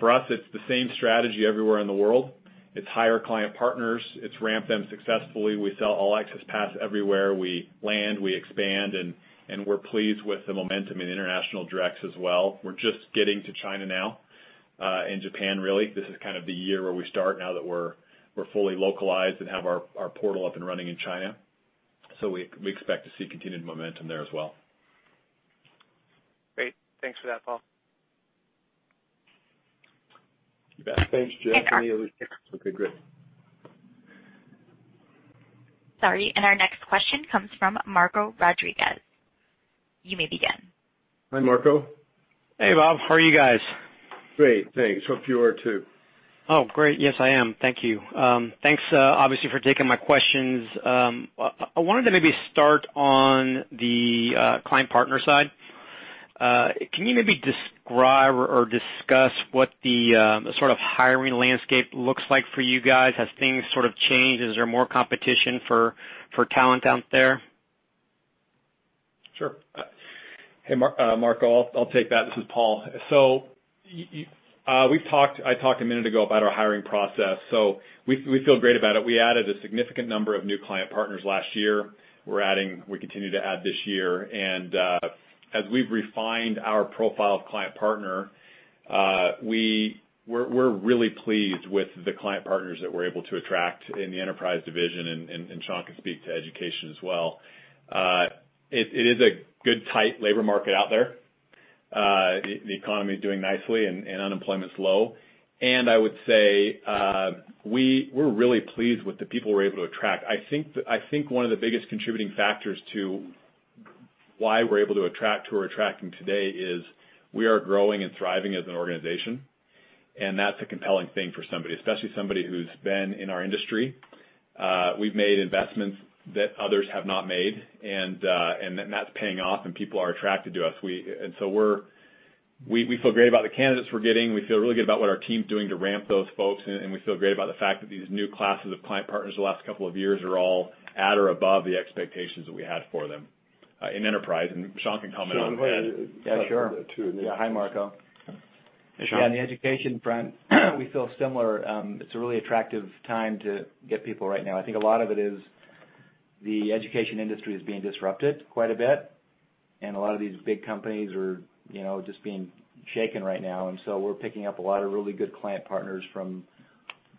For us, it's the same strategy everywhere in the world. It's hire client partners. It's ramp them successfully. We sell All Access Pass everywhere. We land, we expand, and we're pleased with the momentum in international directs as well. We're just getting to China now, and Japan, really. This is kind of the year where we start now that we're fully localized and have our portal up and running in China. We expect to see continued momentum there as well. Great. Thanks for that, Paul. You bet. Thanks, Jeff. Okay, great. Sorry, our next question comes from Marco Rodriguez. You may begin. Hi, Marco. Hey, Bob. How are you guys? Great, thanks. Hope you are too. Oh, great. Yes, I am. Thank you. Thanks, obviously, for taking my questions. I wanted to maybe start on the client partner side. Can you maybe describe or discuss what the sort of hiring landscape looks like for you guys? Has things sort of changed? Is there more competition for talent out there? Sure. Hey, Marco, I'll take that. This is Paul. I talked a minute ago about our hiring process. We feel great about it. We added a significant number of new client partners last year. We continue to add this year. As we've refined our profile of client partner, we're really pleased with the client partners that we're able to attract in the enterprise division, and Sean can speak to education as well. It is a good, tight labor market out there. The economy is doing nicely and unemployment's low. I would say, we're really pleased with the people we're able to attract. I think one of the biggest contributing factors to why we're able to attract who we're attracting today is we are growing and thriving as an organization, and that's a compelling thing for somebody, especially somebody who's been in our industry. We've made investments that others have not made, and then that's paying off and people are attracted to us. We feel great about the candidates we're getting. We feel really good about what our team's doing to ramp those folks, and we feel great about the fact that these new classes of client partners the last couple of years are all at or above the expectations that we had for them in enterprise. Sean can comment on that. Sean, why don't you Yeah, sure. talk about that too? Yeah. Hi, Marco. Hey, Sean. Yeah, on the education front, we feel similar. It's a really attractive time to get people right now. I think a lot of it is the education industry is being disrupted quite a bit. A lot of these big companies are just being shaken right now. We're picking up a lot of really good client partners from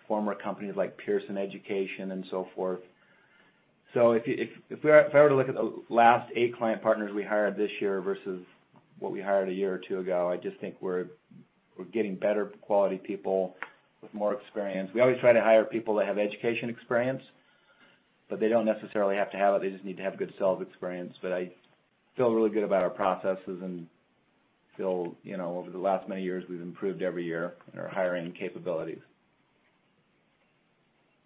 former companies like Pearson Education and so forth. If I were to look at the last eight client partners we hired this year versus what we hired a year or two ago, I just think we're getting better quality people with more experience. We always try to hire people that have education experience, but they don't necessarily have to have it. They just need to have good sales experience. I feel really good about our processes and feel, over the last many years, we've improved every year in our hiring capabilities.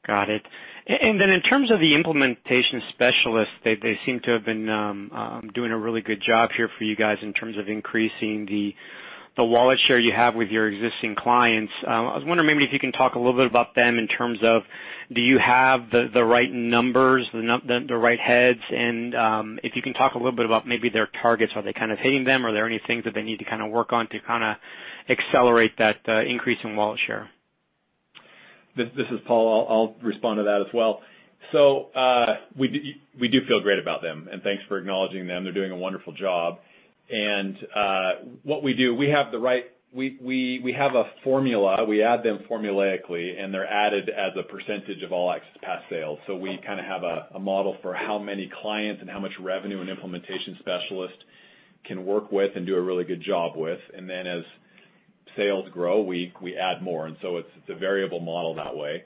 Got it. Then in terms of the implementation specialists, they seem to have been doing a really good job here for you guys in terms of increasing the wallet share you have with your existing clients. I was wondering maybe if you can talk a little bit about them in terms of, do you have the right numbers, the right heads, and if you can talk a little bit about maybe their targets. Are they kind of hitting them? Are there any things that they need to work on to accelerate that increase in wallet share? This is Paul. I'll respond to that as well. We do feel great about them, and thanks for acknowledging them. They're doing a wonderful job. What we do, we have a formula. We add them formulaically, and they're added as a % of All Access Pass sales. We have a model for how many clients and how much revenue an implementation specialist can work with and do a really good job with. Then as sales grow, we add more. It's a variable model that way.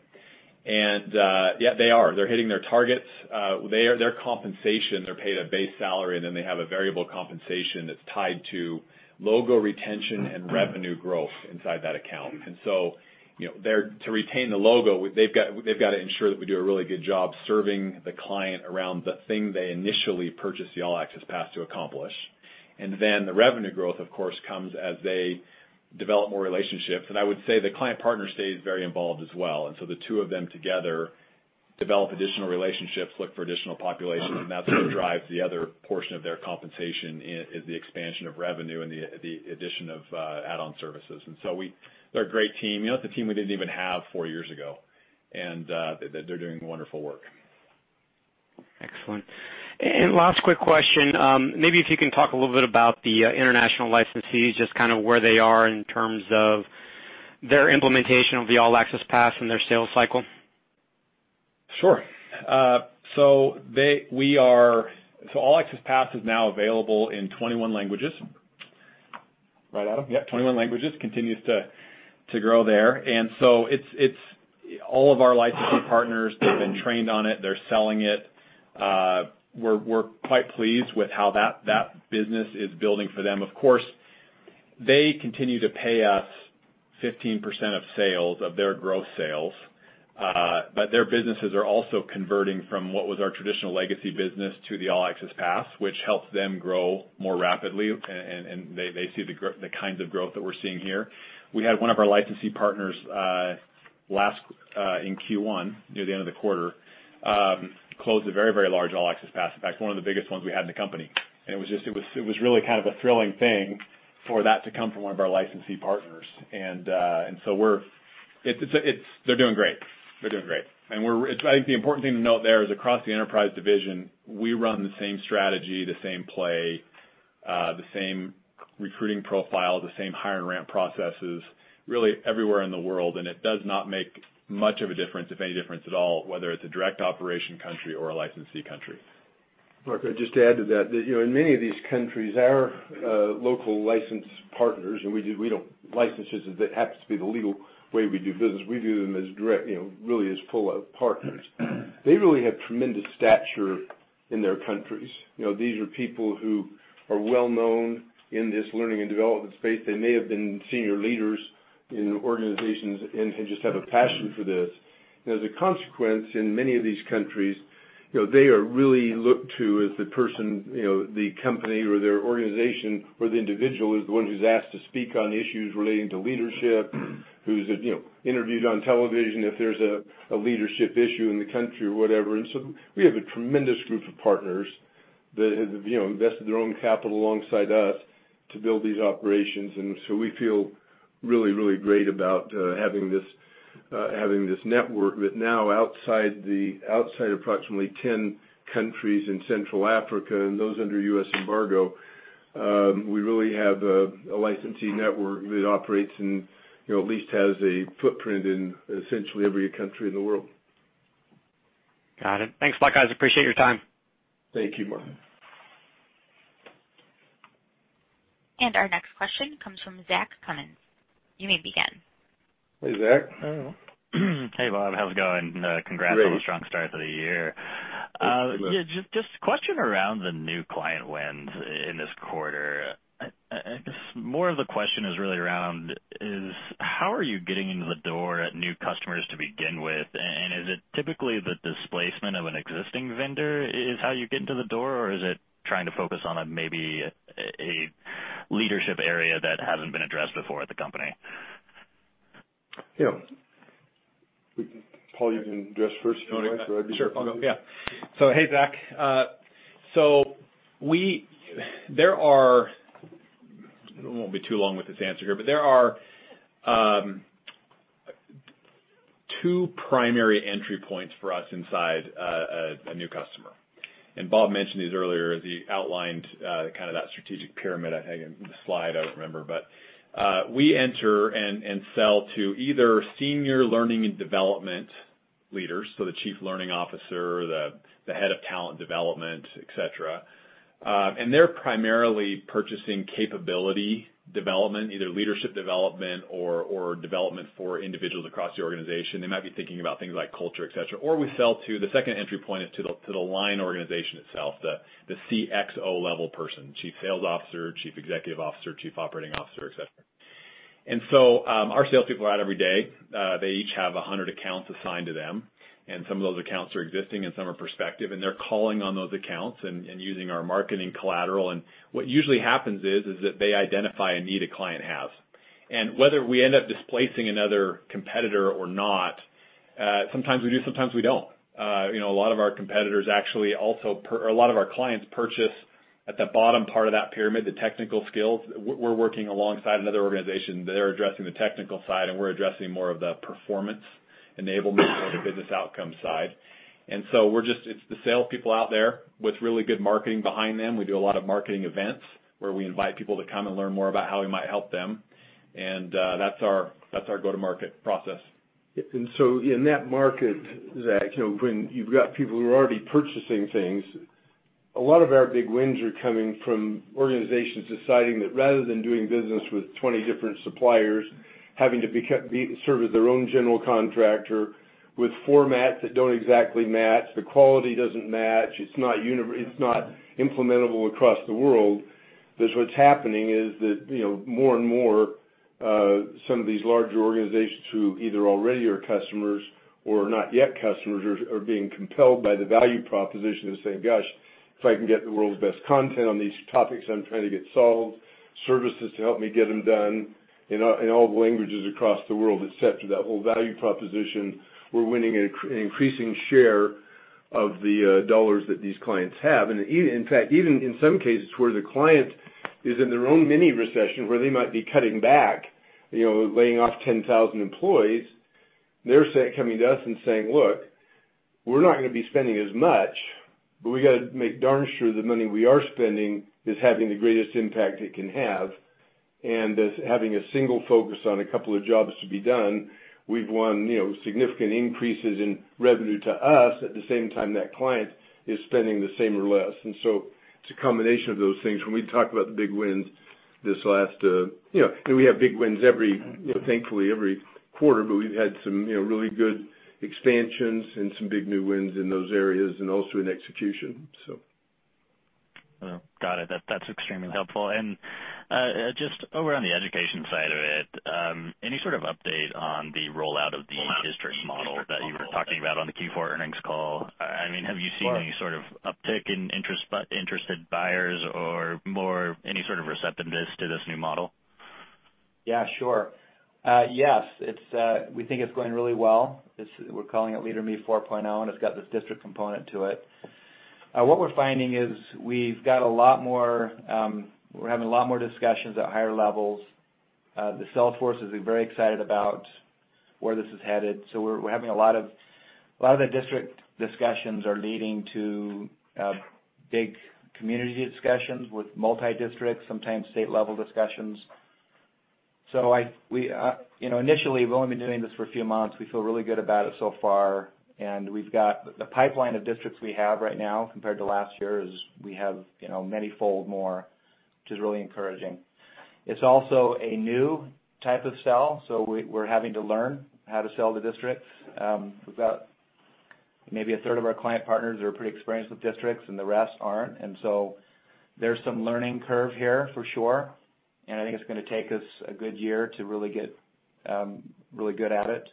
Yeah, they are. They're hitting their targets. Their compensation, they're paid a base salary, and then they have a variable compensation that's tied to logo retention and revenue growth inside that account. To retain the logo, they've got to ensure that we do a really good job serving the client around the thing they initially purchased the All Access Pass to accomplish. The revenue growth, of course, comes as they develop more relationships. I would say the client partner stays very involved as well. The two of them together develop additional relationships, look for additional populations, and that's what drives the other portion of their compensation is the expansion of revenue and the addition of add-on services. They're a great team. It's a team we didn't even have four years ago. They're doing wonderful work. Last quick question, maybe if you can talk a little bit about the international licensees, just where they are in terms of their implementation of the All Access Pass and their sales cycle. All Access Pass is now available in 21 languages. Right, Adam? Yep, 21 languages. Continues to grow there. All of our licensee partners, they've been trained on it. They're selling it. We're quite pleased with how that business is building for them. Of course, they continue to pay us 15% of sales, of their growth sales. Their businesses are also converting from what was our traditional legacy business to the All Access Pass, which helps them grow more rapidly, and they see the kinds of growth that we're seeing here. We had one of our licensee partners in Q1, near the end of the quarter, close a very large All Access Pass. In fact, one of the biggest ones we had in the company. It was really a thrilling thing for that to come from one of our licensee partners. They're doing great. I think the important thing to note there is across the enterprise division, we run the same strategy, the same play, the same recruiting profile, the same hire and ramp processes really everywhere in the world. It does not make much of a difference, if any difference at all, whether it's a direct operation country or a licensee country. Marco, I'd just add to that in many of these countries, our local license partners, and licenses, that happens to be the legal way we do business. We view them as direct, really as full-out partners. They really have tremendous stature in their countries. These are people who are well-known in this learning and development space. They may have been senior leaders in organizations and just have a passion for this. As a consequence, in many of these countries, they are really looked to as the person, the company or their organization or the individual is the one who's asked to speak on issues relating to leadership, who's interviewed on television if there's a leadership issue in the country or whatever. We have a tremendous group of partners that have invested their own capital alongside us to build these operations. We feel really great about having this network. Now, outside approximately 10 countries in Central Africa and those under U.S. embargo, we really have a licensee network that operates and at least has a footprint in essentially every country in the world. Got it. Thanks a lot, guys. Appreciate your time. Thank you, Marco. Our next question comes from Zachary Cummins. You may begin. Hey, Zach. Hey, Bob. How's it going? Great. Congrats on the strong start to the year. Thanks. Yeah, just question around the new client wins in this quarter. I guess more of the question is really around is how are you getting into the door at new customers to begin with? Is it typically the displacement of an existing vendor is how you get into the door? Or is it trying to focus on maybe a leadership area that hasn't been addressed before at the company? Yeah. Paul, you can address first, if you'd like, so I can. Sure. Yeah. Hey, Zach. I won't be too long with this answer here, but there are two primary entry points for us inside a new customer. Bob mentioned these earlier, he outlined kind of that strategic pyramid, I think, in the slide, I don't remember. We enter and sell to either senior learning and development leaders, so the Chief Learning Officer, the Head of Talent Development, et cetera, and they're primarily purchasing capability development, either leadership development or development for individuals across the organization. They might be thinking about things like culture, et cetera. We sell to the second entry point is to the line organization itself, the CXO level person, Chief Sales Officer, Chief Executive Officer, Chief Operating Officer, et cetera. Our salespeople are out every day. They each have 100 accounts assigned to them, some of those accounts are existing and some are prospective. They're calling on those accounts and using our marketing collateral. What usually happens is that they identify a need a client has. Whether we end up displacing another competitor or not, sometimes we do, sometimes we don't. A lot of our clients purchase at the bottom part of that pyramid, the technical skills. We're working alongside another organization. They're addressing the technical side, and we're addressing more of the performance enablement or the business outcome side. It's the salespeople out there with really good marketing behind them. We do a lot of marketing events where we invite people to come and learn more about how we might help them, and that's our go-to-market process. In that market, Zach, when you've got people who are already purchasing things, a lot of our big wins are coming from organizations deciding that rather than doing business with 20 different suppliers, having to be sort of their own general contractor with formats that don't exactly match, the quality doesn't match, it's not implementable across the world. That what's happening is that more and more, some of these larger organizations who either already are customers or are not yet customers, are being compelled by the value proposition and saying, "Gosh, if I can get the world's best content on these topics I'm trying to get solved, services to help me get them done in all the languages across the world," et cetera. That whole value proposition, we're winning an increasing share of the dollars that these clients have. In fact, even in some cases where the client is in their own mini recession, where they might be cutting back, laying off 10,000 employees, they're coming to us and saying, "Look, we're not going to be spending as much, but we got to make darn sure the money we are spending is having the greatest impact it can have." As having a single focus on a couple of jobs to be done, we've won significant increases in revenue to us at the same time that client is spending the same or less. It's a combination of those things. When we talk about the big wins this last, and we have big wins, thankfully, every quarter, but we've had some really good expansions and some big new wins in those areas and also in execution, so. Got it. That's extremely helpful. Just over on the education side of it, any sort of update on the rollout of the district model that you were talking about on the Q4 earnings call? Have you seen any sort of uptick in interested buyers or more any sort of receptiveness to this new model? Yeah, sure. Yes, we think it's going really well. We're calling it Leader in Me 4.0, and it's got this district component to it. What we're finding is we're having a lot more discussions at higher levels. The sales force is very excited about where this is headed. We're having a lot of the district discussions are leading to big community discussions with multi-district, sometimes state-level discussions. Initially, we've only been doing this for a few months. We feel really good about it so far, and the pipeline of districts we have right now compared to last year is we have manyfold more, which is really encouraging. It's also a new type of sell, so we're having to learn how to sell to districts. About maybe a third of our client partners are pretty experienced with districts, and the rest aren't. There's some learning curve here for sure, and I think it's going to take us a good year to really get really good at it.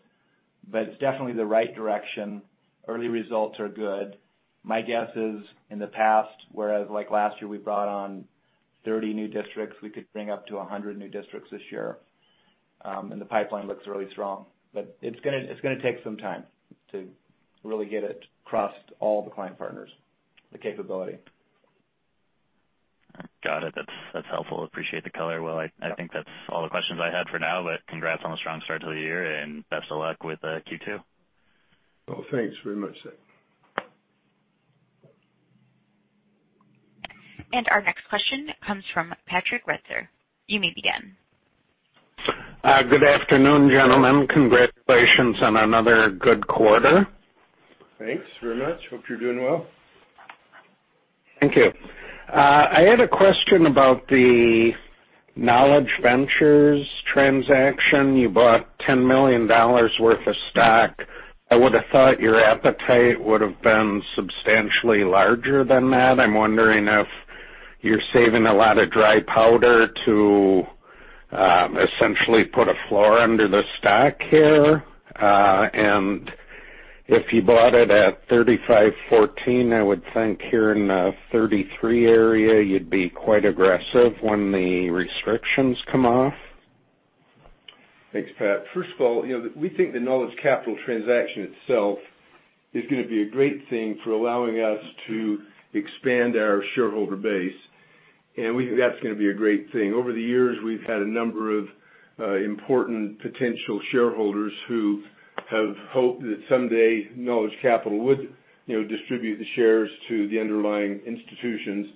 It's definitely the right direction. Early results are good. My guess is in the past, whereas last year we brought on 30 new districts, we could bring up to 100 new districts this year, and the pipeline looks really strong. It's going to take some time to really get it across to all the client partners, the capability. Got it. That's helpful. Appreciate the color. Well, I think that's all the questions I had for now, but congrats on the strong start to the year and best of luck with Q2. Well, thanks very much, Zach. Our next question comes from Patrick Retzer. You may begin Good afternoon, gentlemen. Congratulations on another good quarter. Thanks very much. Hope you're doing well. Thank you. I had a question about the Knowledge Capital transaction. You bought $10 million worth of stock. I would have thought your appetite would have been substantially larger than that. I'm wondering if you're saving a lot of dry powder to essentially put a floor under the stock here. If you bought it at $35.14, I would think here in the $33 area, you'd be quite aggressive when the restrictions come off. Thanks, Pat. First of all, we think the Knowledge Capital transaction itself is going to be a great thing for allowing us to expand our shareholder base. We think that's going to be a great thing. Over the years, we've had a number of important potential shareholders who have hoped that someday Knowledge Capital would distribute the shares to the underlying institutions,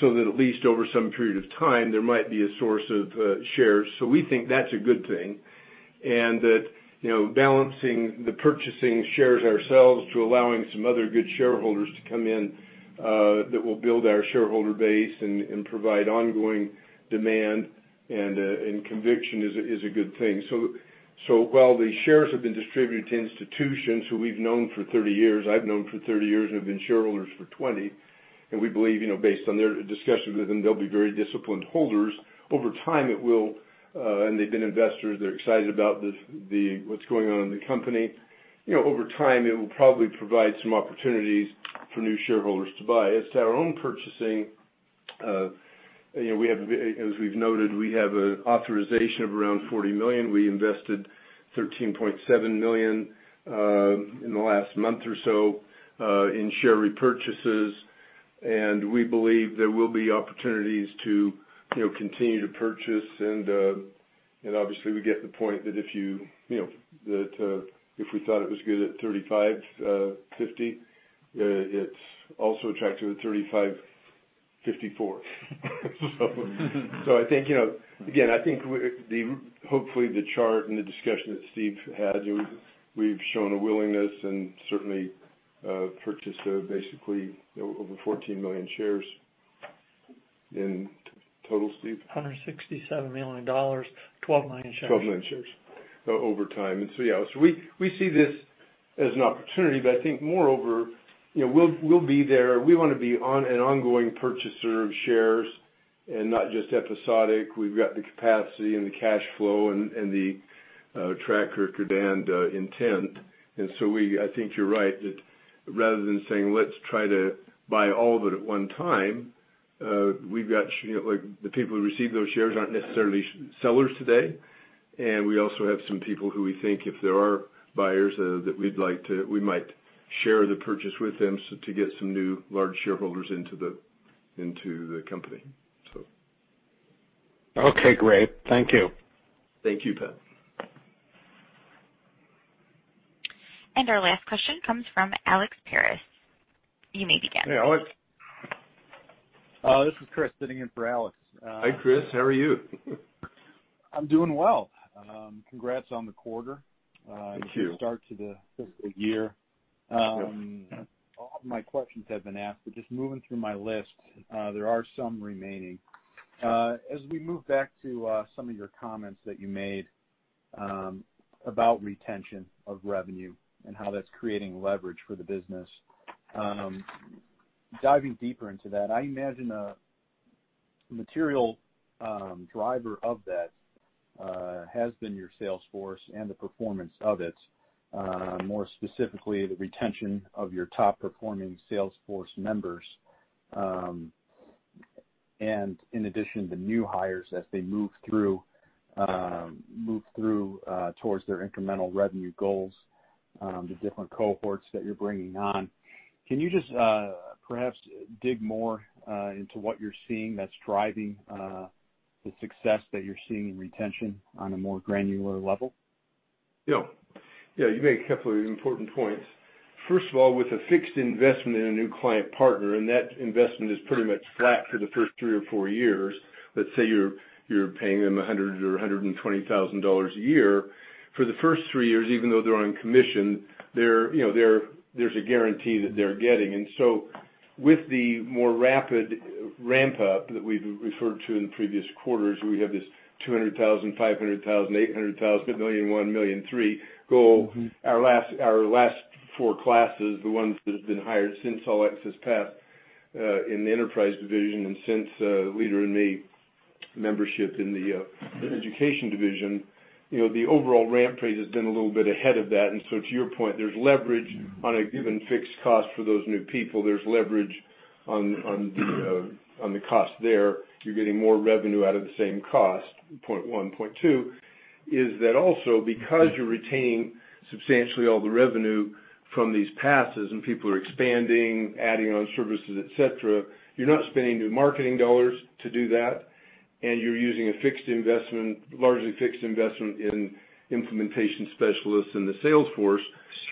so that at least over some period of time, there might be a source of shares. We think that's a good thing and that balancing the purchasing shares ourselves to allowing some other good shareholders to come in, that will build our shareholder base and provide ongoing demand and conviction is a good thing. While the shares have been distributed to institutions who we've known for 30 years, I've known for 30 years and have been shareholders for 20, and we believe, based on their discussions with them, they'll be very disciplined holders. They've been investors, they're excited about what's going on in the company. Over time, it will probably provide some opportunities for new shareholders to buy. As to our own purchasing, as we've noted, we have an authorization of around $40 million. We invested $13.7 million in the last month or so in share repurchases, and we believe there will be opportunities to continue to purchase. Obviously, we get the point that if we thought it was good at $35.50, it's also attractive at $35.54. Again, I think hopefully the chart and the discussion that Steve had, we've shown a willingness and certainly purchase of basically over 14 million shares in total, Steve? $167 million, 12 million shares. 12 million shares over time. Yeah. We see this as an opportunity, but I think moreover, we'll be there. We want to be an ongoing purchaser of shares and not just episodic. We've got the capacity and the cash flow and the track record and intent. I think you're right that rather than saying let's try to buy all of it at one time, the people who receive those shares aren't necessarily sellers today. We also have some people who we think if there are buyers that we might share the purchase with them to get some new large shareholders into the company. Okay, great. Thank you. Thank you, Pat. Our last question comes from Alex Paris. You may begin. Hey, Alex. This is Chris sitting in for Alex. Hi, Chris. How are you? I'm doing well. Congrats on the quarter. Thank you. Good start to the year. Thank you. All of my questions have been asked. Just moving through my list, there are some remaining. As we move back to some of your comments that you made about retention of revenue and how that's creating leverage for the business. Diving deeper into that, I imagine a material driver of that has been your sales force and the performance of it, more specifically, the retention of your top-performing sales force members. In addition, the new hires as they move through towards their incremental revenue goals, the different cohorts that you're bringing on. Can you just perhaps dig more into what you're seeing that's driving the success that you're seeing in retention on a more granular level? Yeah. You make a couple of important points. First of all, with a fixed investment in a new client partner, and that investment is pretty much flat for the first three or four years. Let's say you're paying them $100,000 or $120,000 a year. For the first three years, even though they're on commission, there's a guarantee that they're getting. So with the more rapid ramp-up that we've referred to in previous quarters, we have this $200,000, $500,000, $800,000, $1 million, $1 million, three goal. Our last four classes, the ones that have been hired since All Access Pass, in the enterprise division and since Leader in Me membership in the education division, the overall ramp rate has been a little bit ahead of that. To your point, there's leverage on a given fixed cost for those new people. There's leverage on the cost there. You're getting more revenue out of the same cost, point one. Point two is that also, because you're retaining substantially all the revenue from these passes and people are expanding, adding on services, et cetera, you're not spending new marketing dollars to do that, and you're using a largely fixed investment in implementation specialists in the sales force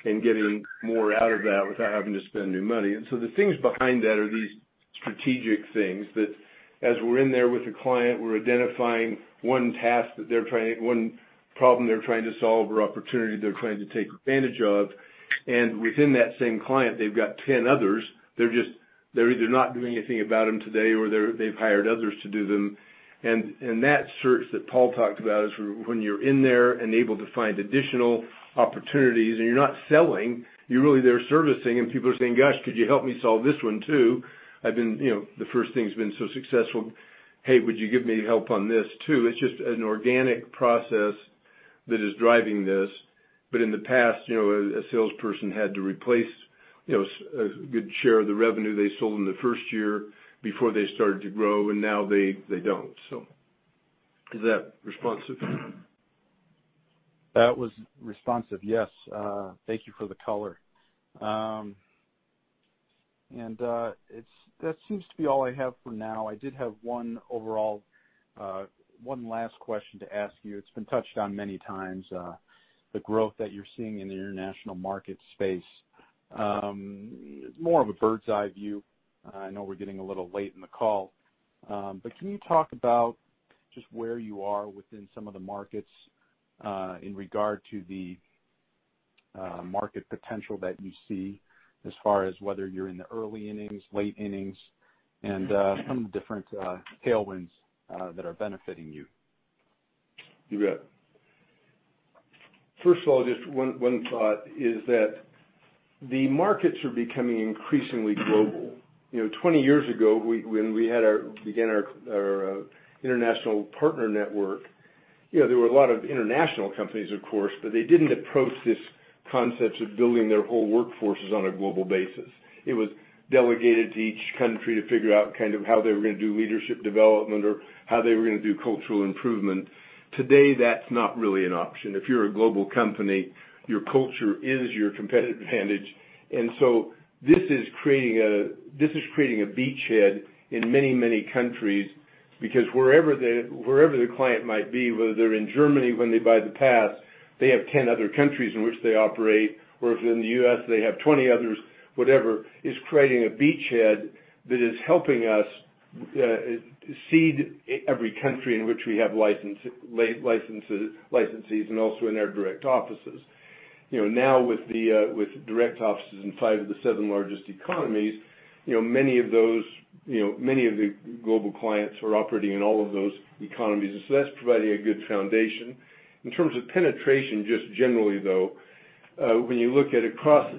and getting more out of that without having to spend new money. The things behind that are these strategic things that as we're in there with a client, we're identifying one task that they're trying, one problem they're trying to solve or opportunity they're trying to take advantage of. Within that same client, they've got 10 others. They're either not doing anything about them today, or they've hired others to do them. That search that Paul talked about is when you're in there and able to find additional opportunities and you're not selling, you're really there servicing and people are saying, "Gosh, could you help me solve this one, too? The first thing's been so successful. Hey, would you give me help on this, too?" It's just an organic process that is driving this. In the past, a salesperson had to replace a good share of the revenue they sold in the first year before they started to grow, and now they don't. Is that responsive? That was responsive, yes. Thank you for the color. That seems to be all I have for now. I did have one last question to ask you. It's been touched on many times, the growth that you're seeing in the international market space. More of a bird's-eye view. I know we're getting a little late in the call. Can you talk about just where you are within some of the markets, in regard to the market potential that you see as far as whether you're in the early innings, late innings, and some different tailwinds that are benefiting you? You bet. First of all, just one thought is that the markets are becoming increasingly global. 20 years ago, when we began our international partner network, there were a lot of international companies, of course, but they didn't approach this concept of building their whole workforces on a global basis. It was delegated to each country to figure out kind of how they were going to do leadership development or how they were going to do cultural improvement. Today, that's not really an option. If you're a global company, your culture is your competitive advantage. This is creating a beachhead in many, many countries because wherever the client might be, whether they're in Germany when they buy the pass, they have 10 other countries in which they operate, or if they're in the U.S., they have 20 others, whatever. It's creating a beachhead that is helping us seed every country in which we have licensees and also in our direct offices. Now with direct offices in five of the seven largest economies, many of the global clients are operating in all of those economies. That's providing a good foundation. In terms of penetration, just generally though, when you look at across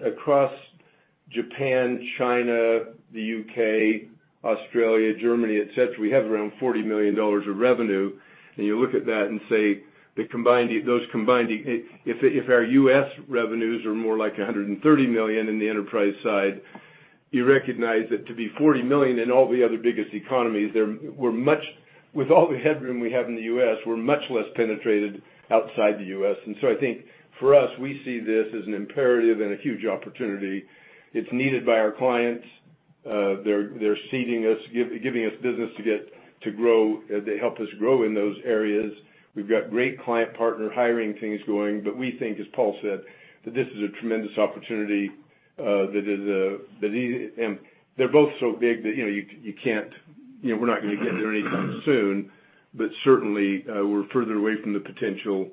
Japan, China, the U.K., Australia, Germany, et cetera, we have around $40 million of revenue. You look at that and say if our U.S. revenues are more like $130 million in the enterprise side, you recognize that to be $40 million in all the other biggest economies, with all the headroom we have in the U.S., we're much less penetrated outside the U.S. I think for us, we see this as an imperative and a huge opportunity. It's needed by our clients. They're seeding us, giving us business to help us grow in those areas. We've got great client partner hiring things going. We think, as Paul said, that this is a tremendous opportunity. They're both so big that we're not going to get there anytime soon. Certainly, we're further away from the potential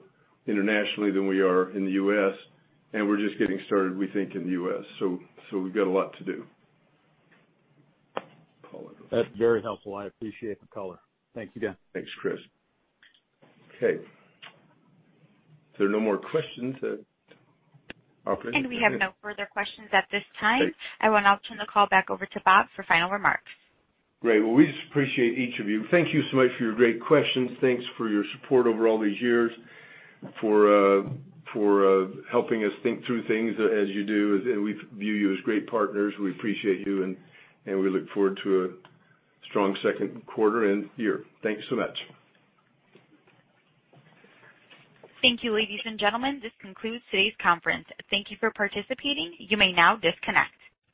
internationally than we are in the U.S., and we're just getting started, we think, in the U.S. We've got a lot to do. Paul. That's very helpful. I appreciate the color. Thank you, Dan. Thanks, Chris. Okay. If there are no more questions, operator. We have no further questions at this time. Great. I will now turn the call back over to Bob for final remarks. Great. Well, we just appreciate each of you. Thank you so much for your great questions. Thanks for your support over all these years, for helping us think through things as you do. We view you as great partners. We appreciate you, and we look forward to a strong second quarter and year. Thanks so much. Thank you, ladies and gentlemen. This concludes today's conference. Thank you for participating. You may now disconnect.